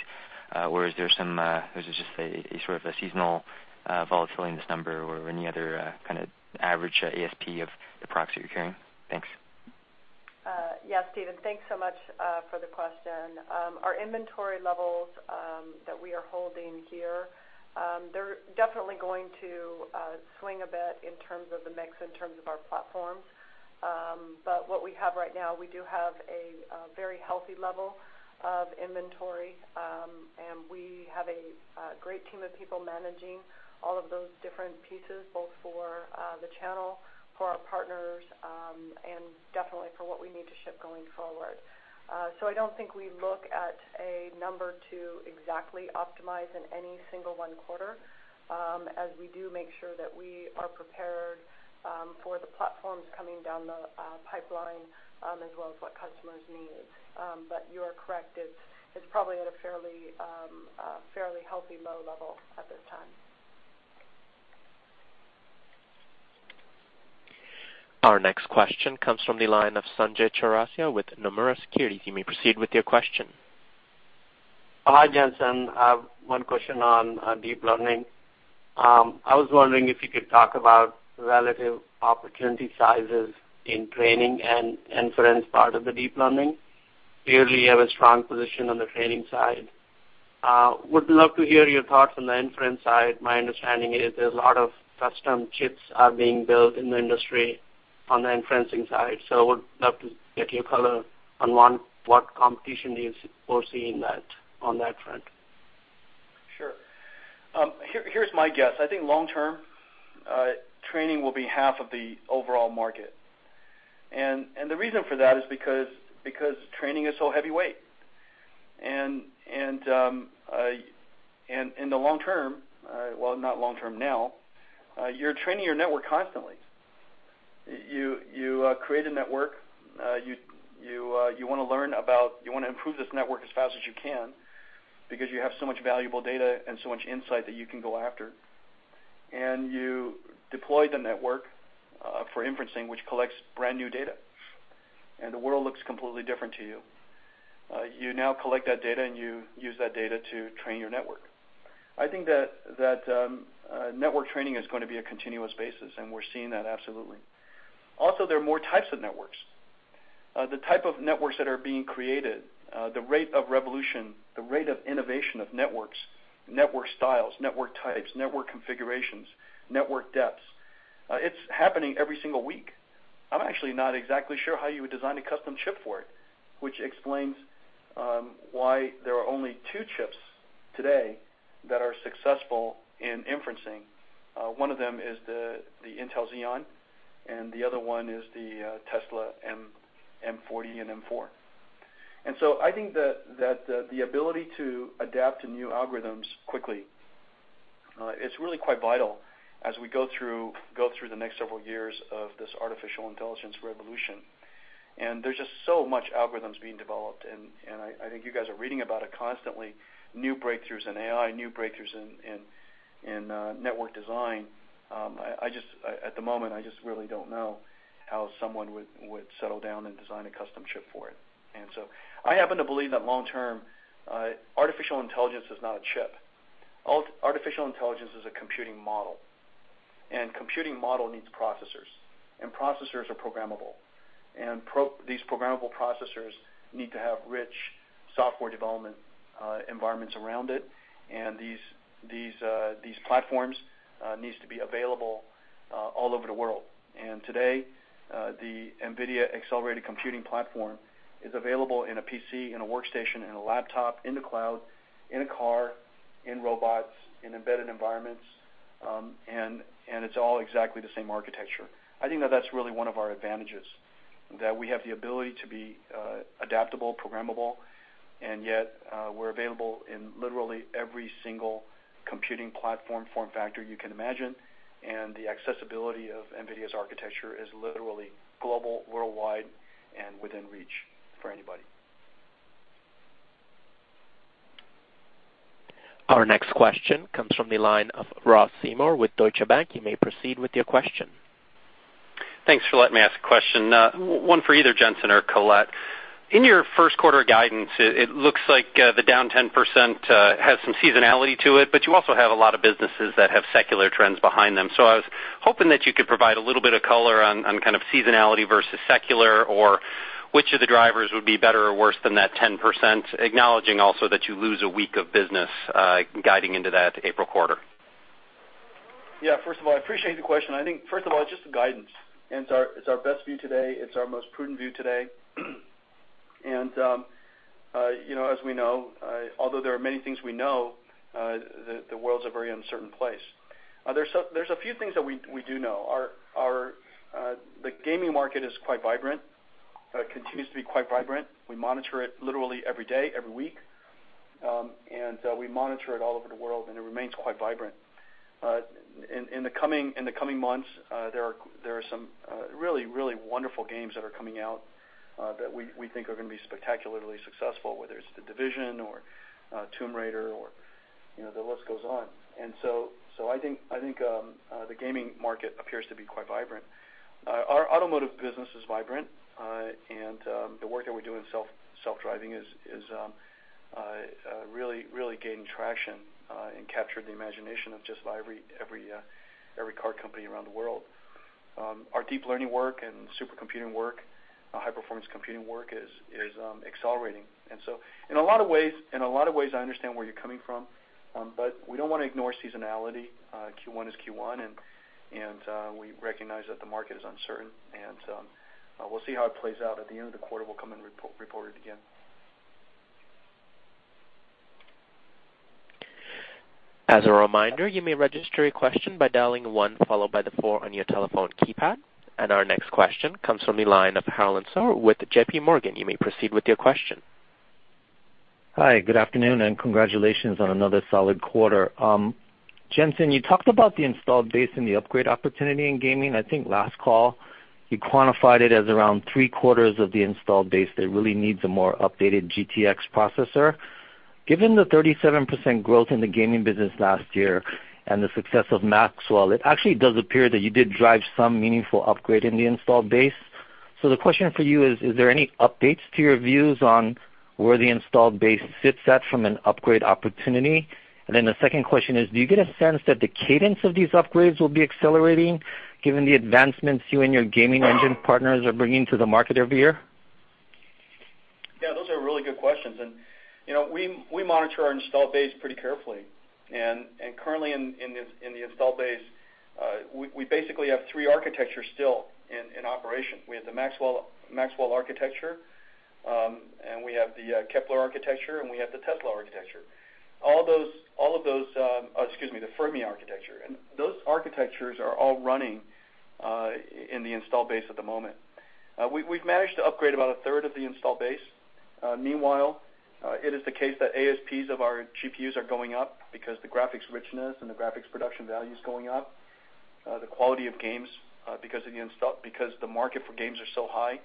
Or is this just a sort of a seasonal volatility in this number or any other kind of average ASP of the products that you're carrying? Thanks. Yeah, Stephen, thanks so much for the question. Our inventory levels that we are holding here, they're definitely going to swing a bit in terms of the mix, in terms of our platforms. What we have right now, we do have a very healthy level of inventory, and we have a great team of people managing all of those different pieces, both for the channel, for our partners, and definitely for what we need to ship going forward. I don't think we look at a number to exactly optimize in any single one quarter, as we do make sure that we are prepared for the platforms coming down the pipeline as well as what customers need. You are correct. It's probably at a fairly healthy low level at this time. Our next question comes from the line of Romit Shah with Nomura Securities. You may proceed with your question. Hi, Jensen. I have one question on deep learning. I was wondering if you could talk about relative opportunity sizes in training and inference part of the deep learning. Clearly, you have a strong position on the training side. Would love to hear your thoughts on the inference side. My understanding is there's a lot of custom chips are being built in the industry on the inferencing side. Would love to get your color on what competition do you foresee on that front. Sure. Here's my guess. I think long-term, training will be half of the overall market. The reason for that is because training is so heavyweight, and in the long-term, well, not long-term now, you're training your network constantly. You create a network. You want to improve this network as fast as you can because you have so much valuable data and so much insight that you can go after, and you deploy the network for inferencing, which collects brand new data, and the world looks completely different to you. You now collect that data, and you use that data to train your network. I think that network training is going to be a continuous basis, and we're seeing that absolutely. Also, there are more types of networks. The type of networks that are being created, the rate of revolution, the rate of innovation of networks, network styles, network types, network configurations, network depths. It's happening every single week. I'm actually not exactly sure how you would design a custom chip for it, which explains why there are only two chips today that are successful in inferencing. One of them is the Intel Xeon, and the other one is the Tesla M40 and M4. I think that the ability to adapt to new algorithms quickly, it's really quite vital as we go through the next several years of this artificial intelligence revolution. There's just so much algorithms being developed, and I think you guys are reading about it constantly, new breakthroughs in AI, new breakthroughs in network design. At the moment, I just really don't know how someone would settle down and design a custom chip for it. I happen to believe that long-term, artificial intelligence is not a chip. Artificial intelligence is a computing model. Computing model needs processors, and processors are programmable. These programmable processors need to have rich software development environments around it. These platforms needs to be available all over the world. Today, the NVIDIA accelerated computing platform is available in a PC, in a workstation, in a laptop, in the cloud, in a car, in robots, in embedded environments, and it's all exactly the same architecture. I think that that's really one of our advantages, that we have the ability to be adaptable, programmable, and yet we're available in literally every single computing platform form factor you can imagine, and the accessibility of NVIDIA's architecture is literally global, worldwide, and within reach for anybody. Our next question comes from the line of Ross Seymore with Deutsche Bank. You may proceed with your question. Thanks for letting me ask a question, one for either Jensen or Colette. In your first quarter guidance, it looks like the down 10% has some seasonality to it, but you also have a lot of businesses that have secular trends behind them. I was hoping that you could provide a little bit of color on kind of seasonality versus secular, or which of the drivers would be better or worse than that 10%, acknowledging also that you lose a week of business guiding into that April quarter. Yeah. First of all, I appreciate the question. I think, first of all, it's just a guidance, and it's our best view today. It's our most prudent view today. As we know, although there are many things we know, the world's a very uncertain place. There's a few things that we do know. The gaming market is quite vibrant, continues to be quite vibrant. We monitor it literally every day, every week, and we monitor it all over the world, and it remains quite vibrant. In the coming months, there are some really wonderful games that are coming out that we think are going to be spectacularly successful, whether it's "The Division" or "Tomb Raider" or the list goes on. I think the gaming market appears to be quite vibrant. Our automotive business is vibrant, the work that we do in self-driving is really gaining traction and captured the imagination of just every car company around the world. Our deep learning work and supercomputing work, high-performance computing work is accelerating. In a lot of ways, I understand where you're coming from, but we don't want to ignore seasonality. Q1 is Q1, and we recognize that the market is uncertain, and we'll see how it plays out at the end of the quarter. We'll come and report it again. As a reminder, you may register your question by dialing one followed by the four on your telephone keypad. Our next question comes from the line of Harlan Sur with JPMorgan. You may proceed with your question. Hi, good afternoon, and congratulations on another solid quarter. Jensen, you talked about the installed base and the upgrade opportunity in gaming. I think last call, you quantified it as around three-quarters of the installed base that really needs a more updated GTX processor. Given the 37% growth in the gaming business last year and the success of Maxwell, it actually does appear that you did drive some meaningful upgrade in the installed base. The question for you is: Is there any updates to your views on where the installed base sits at from an upgrade opportunity? The second question is: Do you get a sense that the cadence of these upgrades will be accelerating given the advancements you and your gaming engine partners are bringing to the market every year? Yeah, those are really good questions. We monitor our installed base pretty carefully. Currently in the installed base, we basically have three architectures still in operation. We have the Maxwell architecture, and we have the Kepler architecture, and we have the Tesla architecture. Excuse me, the Fermi architecture. Those architectures are all running in the installed base at the moment. We've managed to upgrade about a third of the installed base. Meanwhile, it is the case that ASPs of our GPUs are going up because the graphics richness and the graphics production value is going up. The quality of games, because the market for games are so high,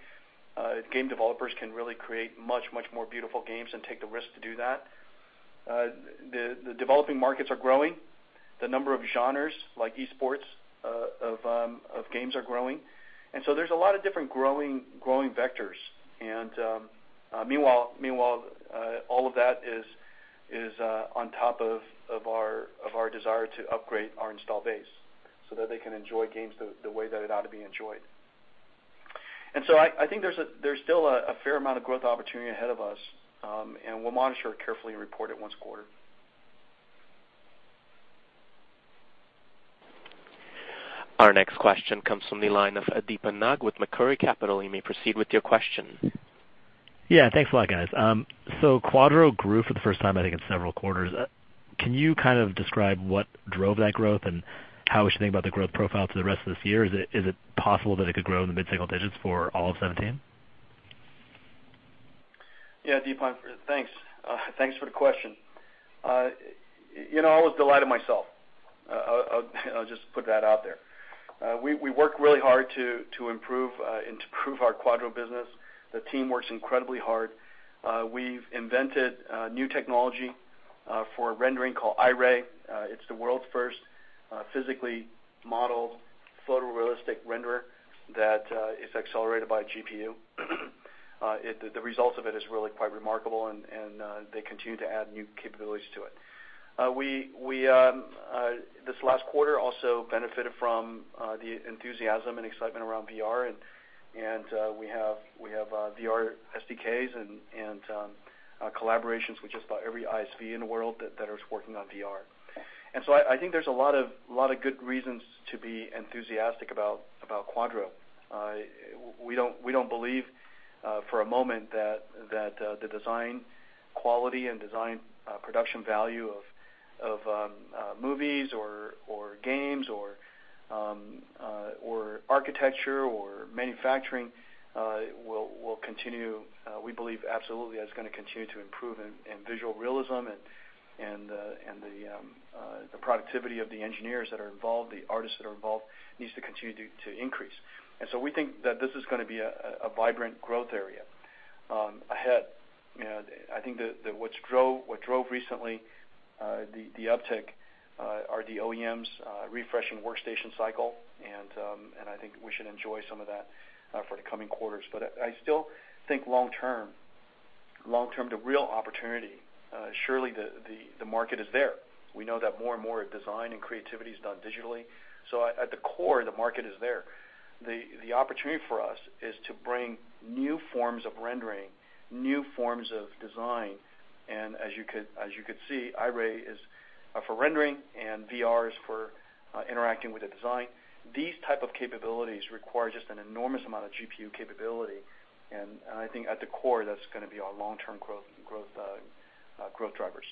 game developers can really create much, much more beautiful games and take the risk to do that. The developing markets are growing. The number of genres like esports of games are growing. There's a lot of different growing vectors. Meanwhile, all of that is on top of our desire to upgrade our install base so that they can enjoy games the way that it ought to be enjoyed. I think there's still a fair amount of growth opportunity ahead of us, and we'll monitor it carefully and report it once a quarter. Our next question comes from the line of Deepon Nag with Macquarie Capital. You may proceed with your question. Yeah, thanks a lot, guys. Quadro grew for the first time, I think, in several quarters. Can you describe what drove that growth and how we should think about the growth profile to the rest of this year? Is it possible that it could grow in the mid-single digits for all of 2017? Yeah, Deepon. Thanks for the question. I always delight in myself. I'll just put that out there. We work really hard to improve our Quadro business. The team works incredibly hard. We've invented a new technology for rendering called Iray. It's the world's first physically modeled photorealistic renderer that is accelerated by a GPU. The results of it is really quite remarkable, and they continue to add new capabilities to it. This last quarter also benefited from the enthusiasm and excitement around VR, and we have VR SDKs and collaborations with just about every ISV in the world that is working on VR. I think there's a lot of good reasons to be enthusiastic about Quadro. We don't believe for a moment that the design quality and design production value of movies or games or architecture or manufacturing will continue. We believe absolutely that's going to continue to improve in visual realism and the productivity of the engineers that are involved, the artists that are involved, needs to continue to increase. We think that this is going to be a vibrant growth area ahead. I think that what drove recently the uptick are the OEMs refreshing workstation cycle, and I think we should enjoy some of that for the coming quarters. I still think long term, the real opportunity, surely the market is there. We know that more and more design and creativity is done digitally. At the core, the market is there. The opportunity for us is to bring new forms of rendering, new forms of design. As you could see, Iray is for rendering, and VR is for interacting with the design. These type of capabilities require just an enormous amount of GPU capability, and I think at the core, that's going to be our long-term growth drivers.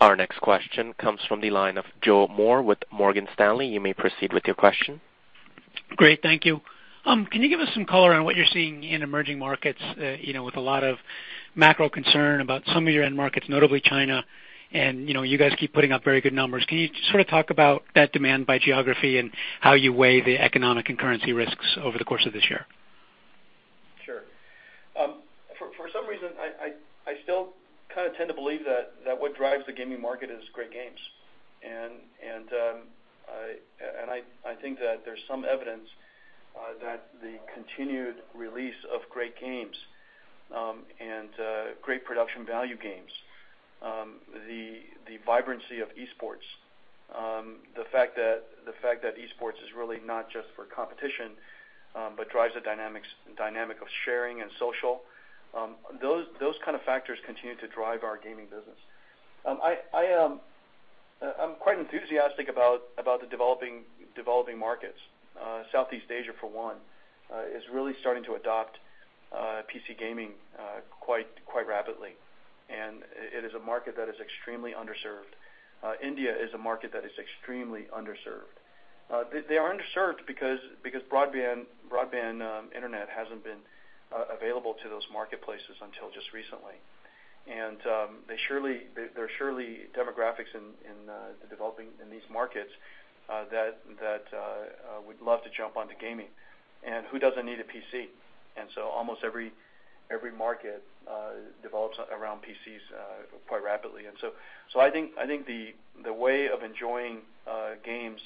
Our next question comes from the line of Joseph Moore with Morgan Stanley. You may proceed with your question. Great. Thank you. Can you give us some color on what you're seeing in emerging markets with a lot of macro concern about some of your end markets, notably China, and you guys keep putting up very good numbers. Can you sort of talk about that demand by geography and how you weigh the economic and currency risks over the course of this year? Sure. For some reason, I still tend to believe that what drives the gaming market is great games. I think that there's some evidence that the continued release of great games and great production value games, the vibrancy of esports, the fact that esports is really not just for competition, but drives the dynamic of sharing and social. Those kind of factors continue to drive our gaming business. I'm quite enthusiastic about the developing markets. Southeast Asia, for one, is really starting to adopt PC gaming quite rapidly. It is a market that is extremely underserved. India is a market that is extremely underserved. They are underserved because broadband internet hasn't been available to those marketplaces until just recently. There are surely demographics in these markets that would love to jump onto gaming. Who doesn't need a PC? Almost every market develops around PCs quite rapidly. I think the way of enjoying games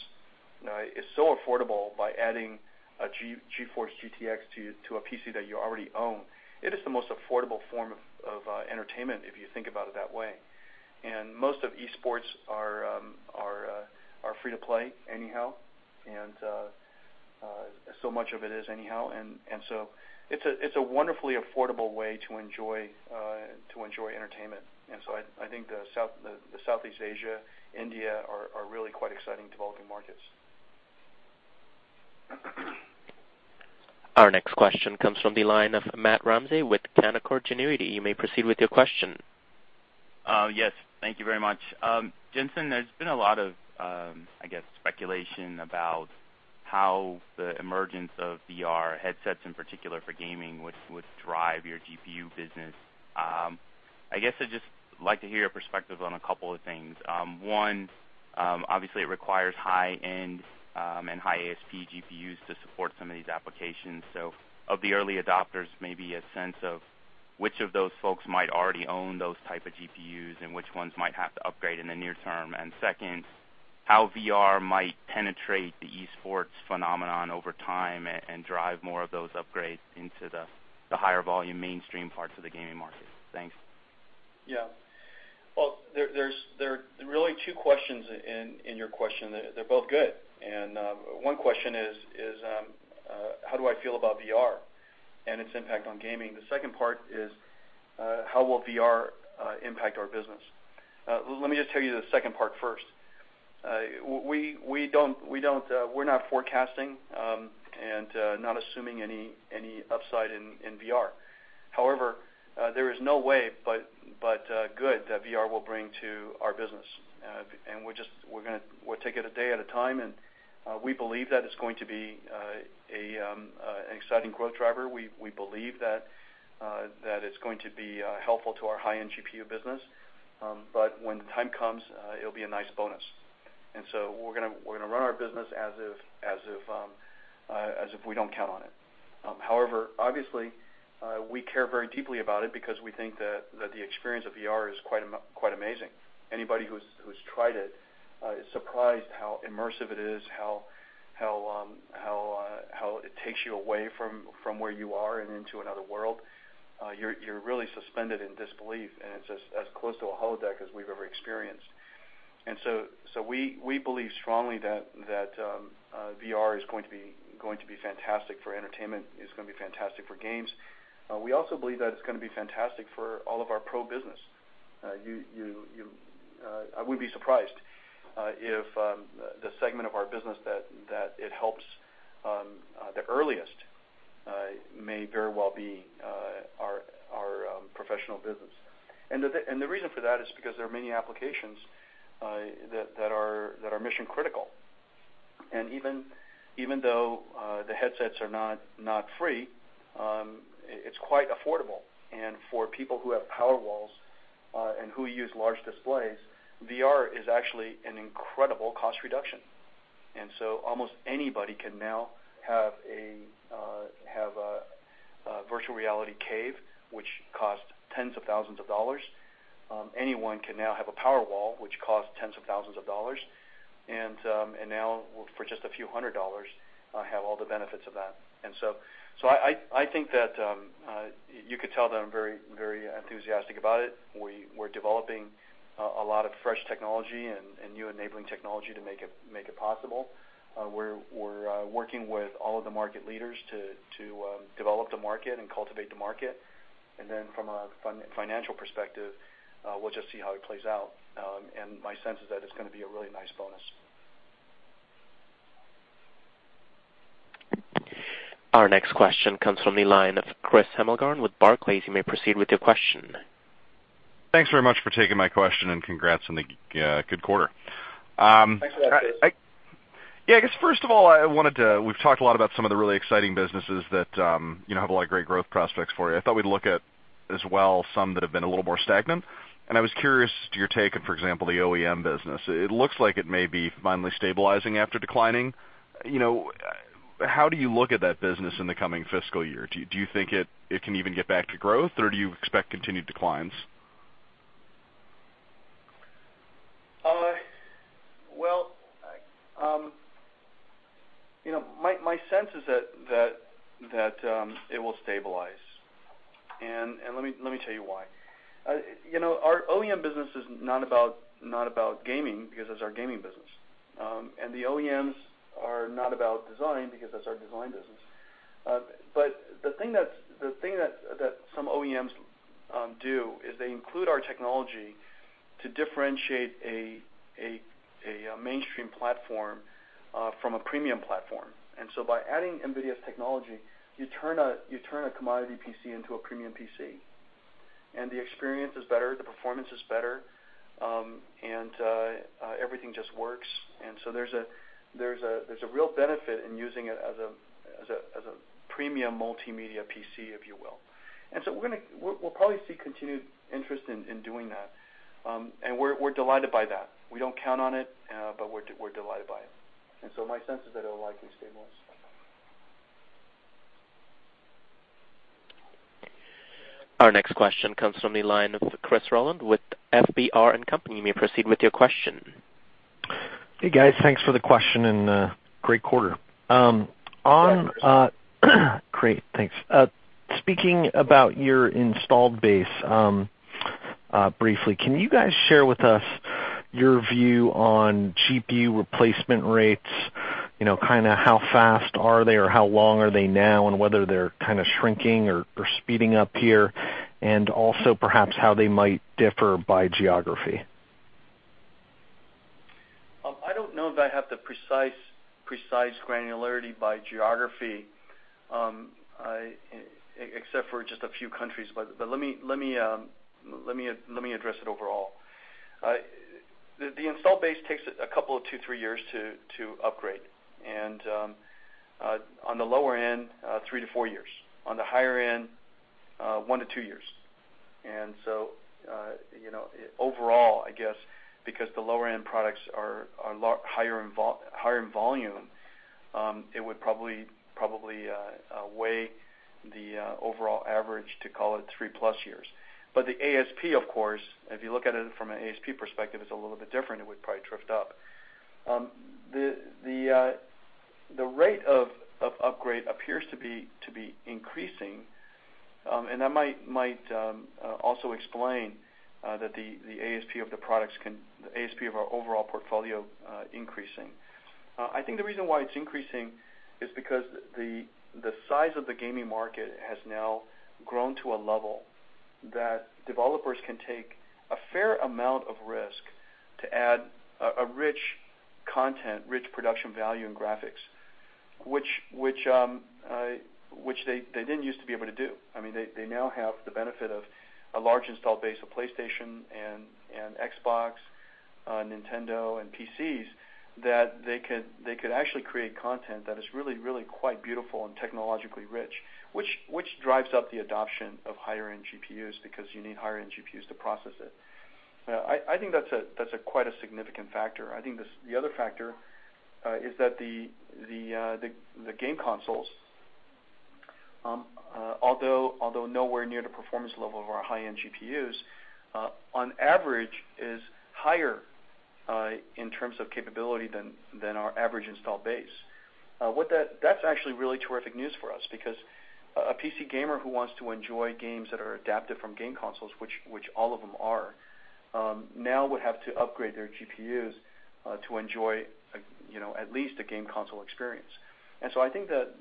is so affordable by adding a GeForce GTX to a PC that you already own. It is the most affordable form of entertainment if you think about it that way. Most of esports are free to play anyhow, and so much of it is anyhow. It's a wonderfully affordable way to enjoy entertainment. I think the Southeast Asia, India are really quite exciting developing markets. Our next question comes from the line of Matt Ramsay with Canaccord Genuity. You may proceed with your question. Yes. Thank you very much. Jensen, there's been a lot of speculation about how the emergence of VR headsets, in particular for gaming, would drive your GPU business. I'd just like to hear your perspective on a couple of things. One, obviously it requires high-end and high ASP GPUs to support some of these applications. Of the early adopters, maybe a sense of which of those folks might already own those type of GPUs and which ones might have to upgrade in the near term. Second, how VR might penetrate the esports phenomenon over time and drive more of those upgrades into the higher volume mainstream parts of the gaming market. Thanks. Yeah. Well, there are really two questions in your question. They are both good. One question is, how do I feel about VR and its impact on gaming? The second part is, how will VR impact our business? Let me just tell you the second part first. We're not forecasting, and not assuming any upside in VR. There is no way but good that VR will bring to our business. We'll take it a day at a time, and we believe that it's going to be an exciting growth driver. We believe that it's going to be helpful to our high-end GPU business. When the time comes, it'll be a nice bonus. We're going to run our business as if we don't count on it. Obviously, we care very deeply about it because we think that the experience of VR is quite amazing. Anybody who's tried it is surprised how immersive it is, how it takes you away from where you are and into another world. You're really suspended in disbelief, and it's as close to a holodeck as we've ever experienced. We believe strongly that VR is going to be fantastic for entertainment, it's going to be fantastic for games. We also believe that it's going to be fantastic for all of our pro business. I would be surprised if the segment of our business that it helps the earliest may very well be our professional business. The reason for that is because there are many applications that are mission critical. Even though the headsets are not free, it's quite affordable. For people who have power walls, and who use large displays, VR is actually an incredible cost reduction. Almost anybody can now have a virtual reality cave, which cost tens of thousands of dollars. Anyone can now have a power wall, which cost tens of thousands of dollars, and now for just a few hundred dollars, have all the benefits of that. I think that you could tell that I'm very enthusiastic about it. We're developing a lot of fresh technology and new enabling technology to make it possible. We're working with all of the market leaders to develop the market and cultivate the market. From a financial perspective, we'll just see how it plays out. My sense is that it's going to be a really nice bonus. Our next question comes from the line of Chris Hemmelgarn with Barclays. You may proceed with your question. Thanks very much for taking my question, and congrats on the good quarter. Thanks a lot, Chris. Yeah, I guess first of all, we've talked a lot about some of the really exciting businesses that have a lot of great growth prospects for you. I thought we'd look at as well some that have been a little more stagnant, and I was curious to your take on, for example, the OEM business. It looks like it may be finally stabilizing after declining. How do you look at that business in the coming fiscal year? Do you think it can even get back to growth, or do you expect continued declines? Well, my sense is that it will stabilize. Let me tell you why. Our OEM business is not about gaming because that's our gaming business. The OEMs are not about design because that's our design business. The thing that some OEMs do is they include our technology to differentiate a mainstream platform from a premium platform. So by adding NVIDIA's technology, you turn a commodity PC into a premium PC, and the experience is better, the performance is better, and everything just works. So there's a real benefit in using it as a premium multimedia PC, if you will. So we'll probably see continued interest in doing that. We're delighted by that. We don't count on it, but we're delighted by it. So my sense is that it'll likely stabilize. Our next question comes from the line of Christopher Rolland with FBR & Co.. You may proceed with your question. Hey, guys. Thanks for the question and great quarter. Yeah. Thanks. Great. Thanks. Speaking about your installed base, briefly, can you guys share with us your view on GPU replacement rates, how fast are they, or how long are they now, and whether they're shrinking or speeding up here, and also perhaps how they might differ by geography? I don't know if I have the precise granularity by geography, except for just a few countries. Let me address it overall. The install base takes a couple of two, three years to upgrade, and on the lower end, three to four years. On the higher end, one to two years. Overall, I guess because the lower-end products are higher in volume, it would probably weigh the overall average to call it 3-plus years. The ASP, of course, if you look at it from an ASP perspective, is a little bit different. It would probably drift up. The rate of upgrade appears to be increasing, and that might also explain that the ASP of our overall portfolio increasing. I think the reason why it's increasing is because the size of the gaming market has now grown to a level that developers can take a fair amount of risk to add a rich content, rich production value in graphics, which they didn't used to be able to do. They now have the benefit of a large install base of PlayStation and Xbox, Nintendo, and PCs that they could actually create content that is really quite beautiful and technologically rich, which drives up the adoption of higher-end GPUs because you need higher-end GPUs to process it. I think that's quite a significant factor. I think the other factor is that the game consoles, although nowhere near the performance level of our high-end GPUs, on average, is higher in terms of capability than our average install base. That's actually really terrific news for us because a PC gamer who wants to enjoy games that are adapted from game consoles, which all of them are, now would have to upgrade their GPUs, to enjoy at least a game console experience. I think that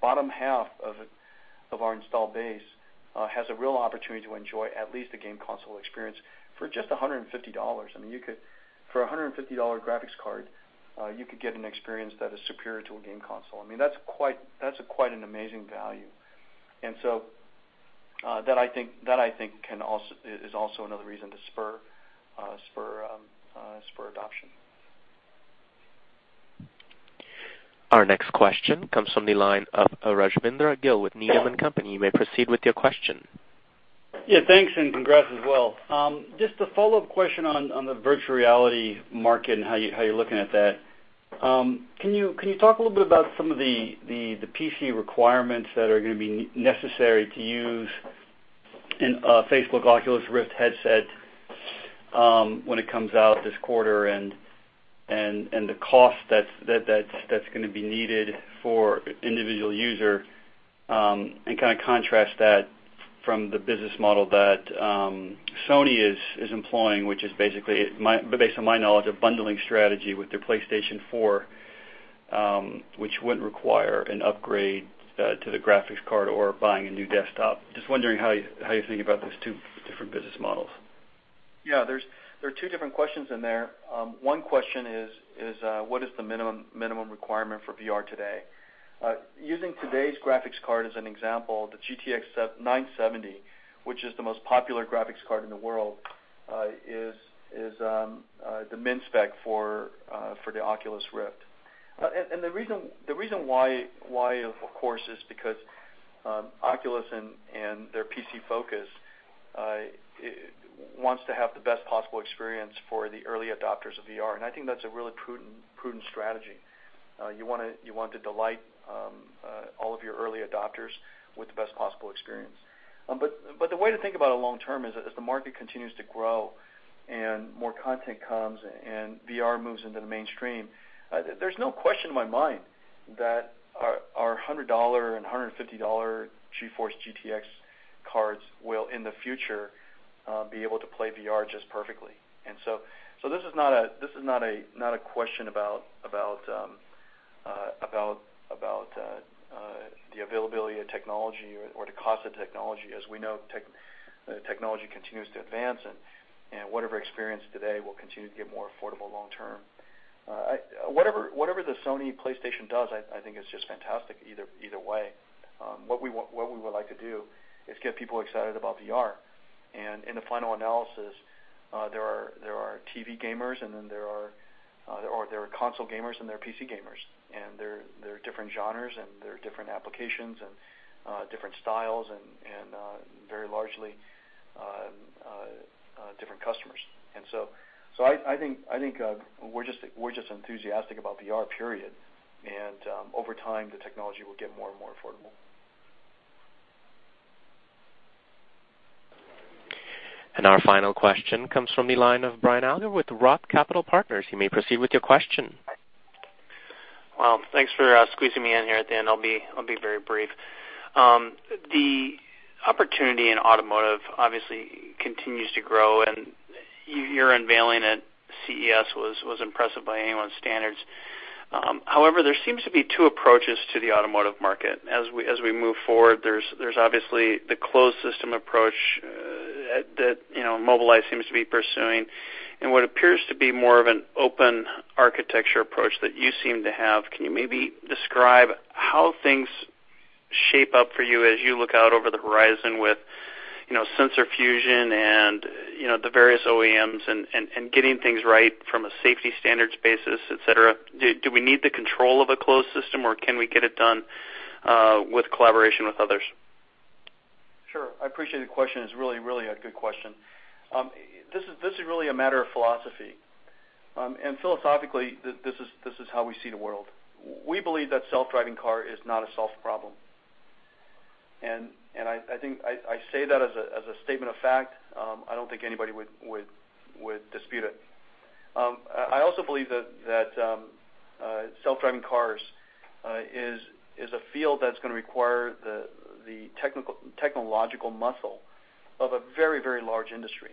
bottom half of our install base has a real opportunity to enjoy at least a game console experience for just $150. For a $150 graphics card, you could get an experience that is superior to a game console. That's quite an amazing value. That I think is also another reason to spur adoption. Our next question comes from the line of Rajvindra Gill with Needham & Company. You may proceed with your question. Yeah, thanks, and congrats as well. Just a follow-up question on the virtual reality market and how you're looking at that. Can you talk a little bit about some of the PC requirements that are going to be necessary to use in an Oculus Rift headset when it comes out this quarter, and the cost that's going to be needed for individual user, and contrast that from the business model that Sony is employing, which is basically, based on my knowledge, a bundling strategy with their PlayStation 4, which wouldn't require an upgrade to the graphics card or buying a new desktop. Just wondering how you think about those two different business models. Yeah, there are two different questions in there. One question is, what is the minimum requirement for VR today? Using today's graphics card as an example, the GeForce GTX 970, which is the most popular graphics card in the world, is the min spec for the Oculus Rift. The reason why, of course, is because Oculus and their PC focus wants to have the best possible experience for the early adopters of VR, and I think that's a really prudent strategy. You want to delight all of your early adopters with the best possible experience. The way to think about it long term is as the market continues to grow and more content comes and VR moves into the mainstream, there's no question in my mind that our $100 and $150 GeForce GTX cards will, in the future, be able to play VR just perfectly. This is not a question about the availability of technology or the cost of technology. As we know, technology continues to advance and whatever experience today will continue to get more affordable long term. Whatever the Sony PlayStation does, I think is just fantastic either way. What we would like to do is get people excited about VR. In the final analysis, there are TV gamers and then there are console gamers and there are PC gamers. There are different genres and there are different applications and different styles and very largely, different customers. I think we're just enthusiastic about VR, period. Over time, the technology will get more and more affordable. Our final question comes from the line of Brian Alger with Roth Capital Partners. You may proceed with your question. Well, thanks for squeezing me in here at the end. I'll be very brief. The opportunity in automotive obviously continues to grow, and you're unveiling a CES was impressive by anyone's standards. However, there seems to be two approaches to the automotive market. As we move forward, there's obviously the closed system approach that Mobileye seems to be pursuing, and what appears to be more of an open architecture approach that you seem to have. Can you maybe describe how things shape up for you as you look out over the horizon with sensor fusion and the various OEMs and getting things right from a safety standards basis, et cetera? Do we need the control of a closed system, or can we get it done with collaboration with others? Sure. I appreciate the question. It's really a good question. This is really a matter of philosophy. Philosophically, this is how we see the world. We believe that self-driving car is not a solved problem. I say that as a statement of fact. I don't think anybody would dispute it. I also believe that self-driving cars is a field that's going to require the technological muscle of a very large industry,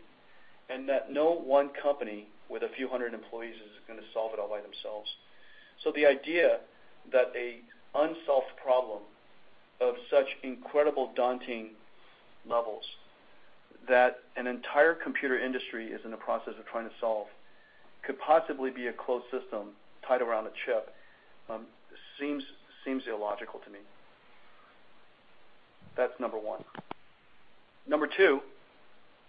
and that no one company with a few hundred employees is going to solve it all by themselves. The idea that an unsolved problem of such incredible daunting levels that an entire computer industry is in the process of trying to solve could possibly be a closed system tied around a chip seems illogical to me. That's number one. Number two,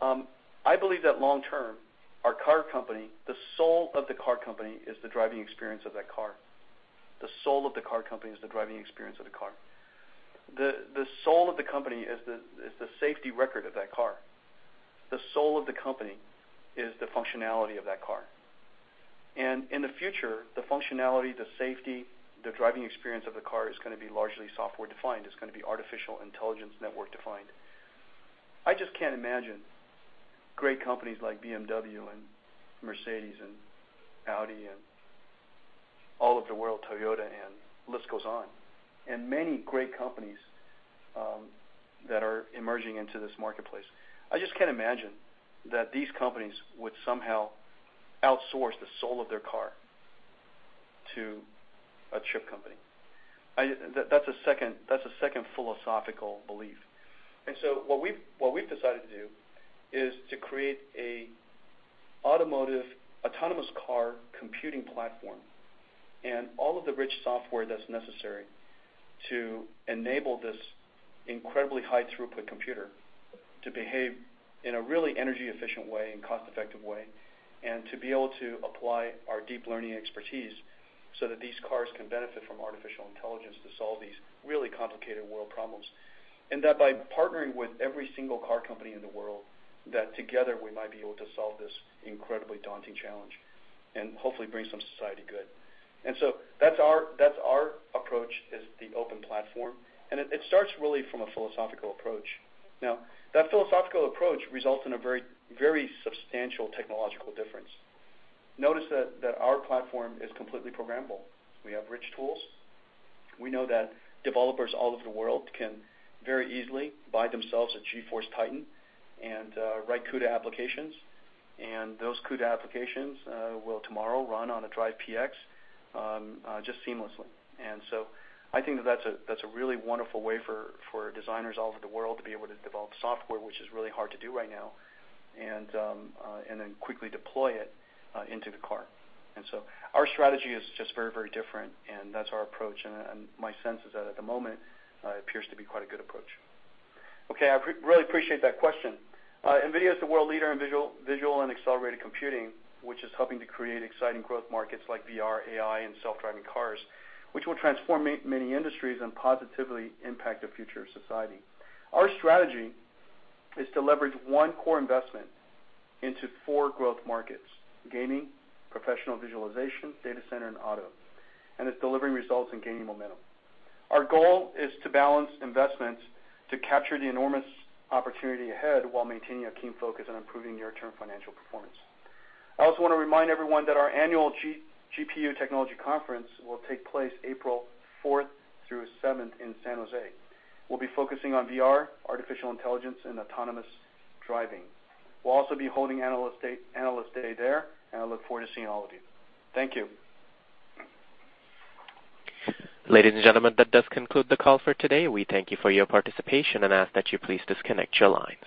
I believe that long-term, our car company, the soul of the car company is the driving experience of that car. The soul of the car company is the driving experience of the car. The soul of the company is the safety record of that car. The soul of the company is the functionality of that car. In the future, the functionality, the safety, the driving experience of the car is going to be largely software-defined. It's going to be artificial intelligence, network-defined. I just can't imagine great companies like BMW and Mercedes and Audi and all over the world, Toyota, and the list goes on, and many great companies that are emerging into this marketplace. I just can't imagine that these companies would somehow outsource the soul of their car to a chip company. That's the second philosophical belief. What we've decided to do is to create an automotive autonomous car computing platform and all of the rich software that's necessary to enable this incredibly high throughput computer to behave in a really energy efficient way and cost-effective way, and to be able to apply our deep learning expertise so that these cars can benefit from artificial intelligence to solve these really complicated world problems. That by partnering with every single car company in the world, that together we might be able to solve this incredibly daunting challenge and hopefully bring some society good. That's our approach is the open platform, and it starts really from a philosophical approach. That philosophical approach results in a very substantial technological difference. Notice that our platform is completely programmable. We have rich tools. We know that developers all over the world can very easily buy themselves a GeForce TITAN and write CUDA applications. Those CUDA applications will tomorrow run on a DRIVE PX just seamlessly. I think that's a really wonderful way for designers all over the world to be able to develop software, which is really hard to do right now, and then quickly deploy it into the car. Our strategy is just very different, and that's our approach. My sense is that at the moment, it appears to be quite a good approach. Okay. I really appreciate that question. NVIDIA is the world leader in visual and accelerated computing, which is helping to create exciting growth markets like VR, AI, and self-driving cars, which will transform many industries and positively impact the future of society. Our strategy is to leverage one core investment into four growth markets: gaming, professional visualization, data center, and auto. It's delivering results and gaining momentum. Our goal is to balance investments to capture the enormous opportunity ahead while maintaining a keen focus on improving near-term financial performance. I also want to remind everyone that our annual GPU Technology Conference will take place April 4th through 7th in San Jose. We'll be focusing on VR, artificial intelligence, and autonomous driving. We'll also be holding Analyst Day there, and I look forward to seeing all of you. Thank you. Ladies and gentlemen, that does conclude the call for today. We thank you for your participation and ask that you please disconnect your lines.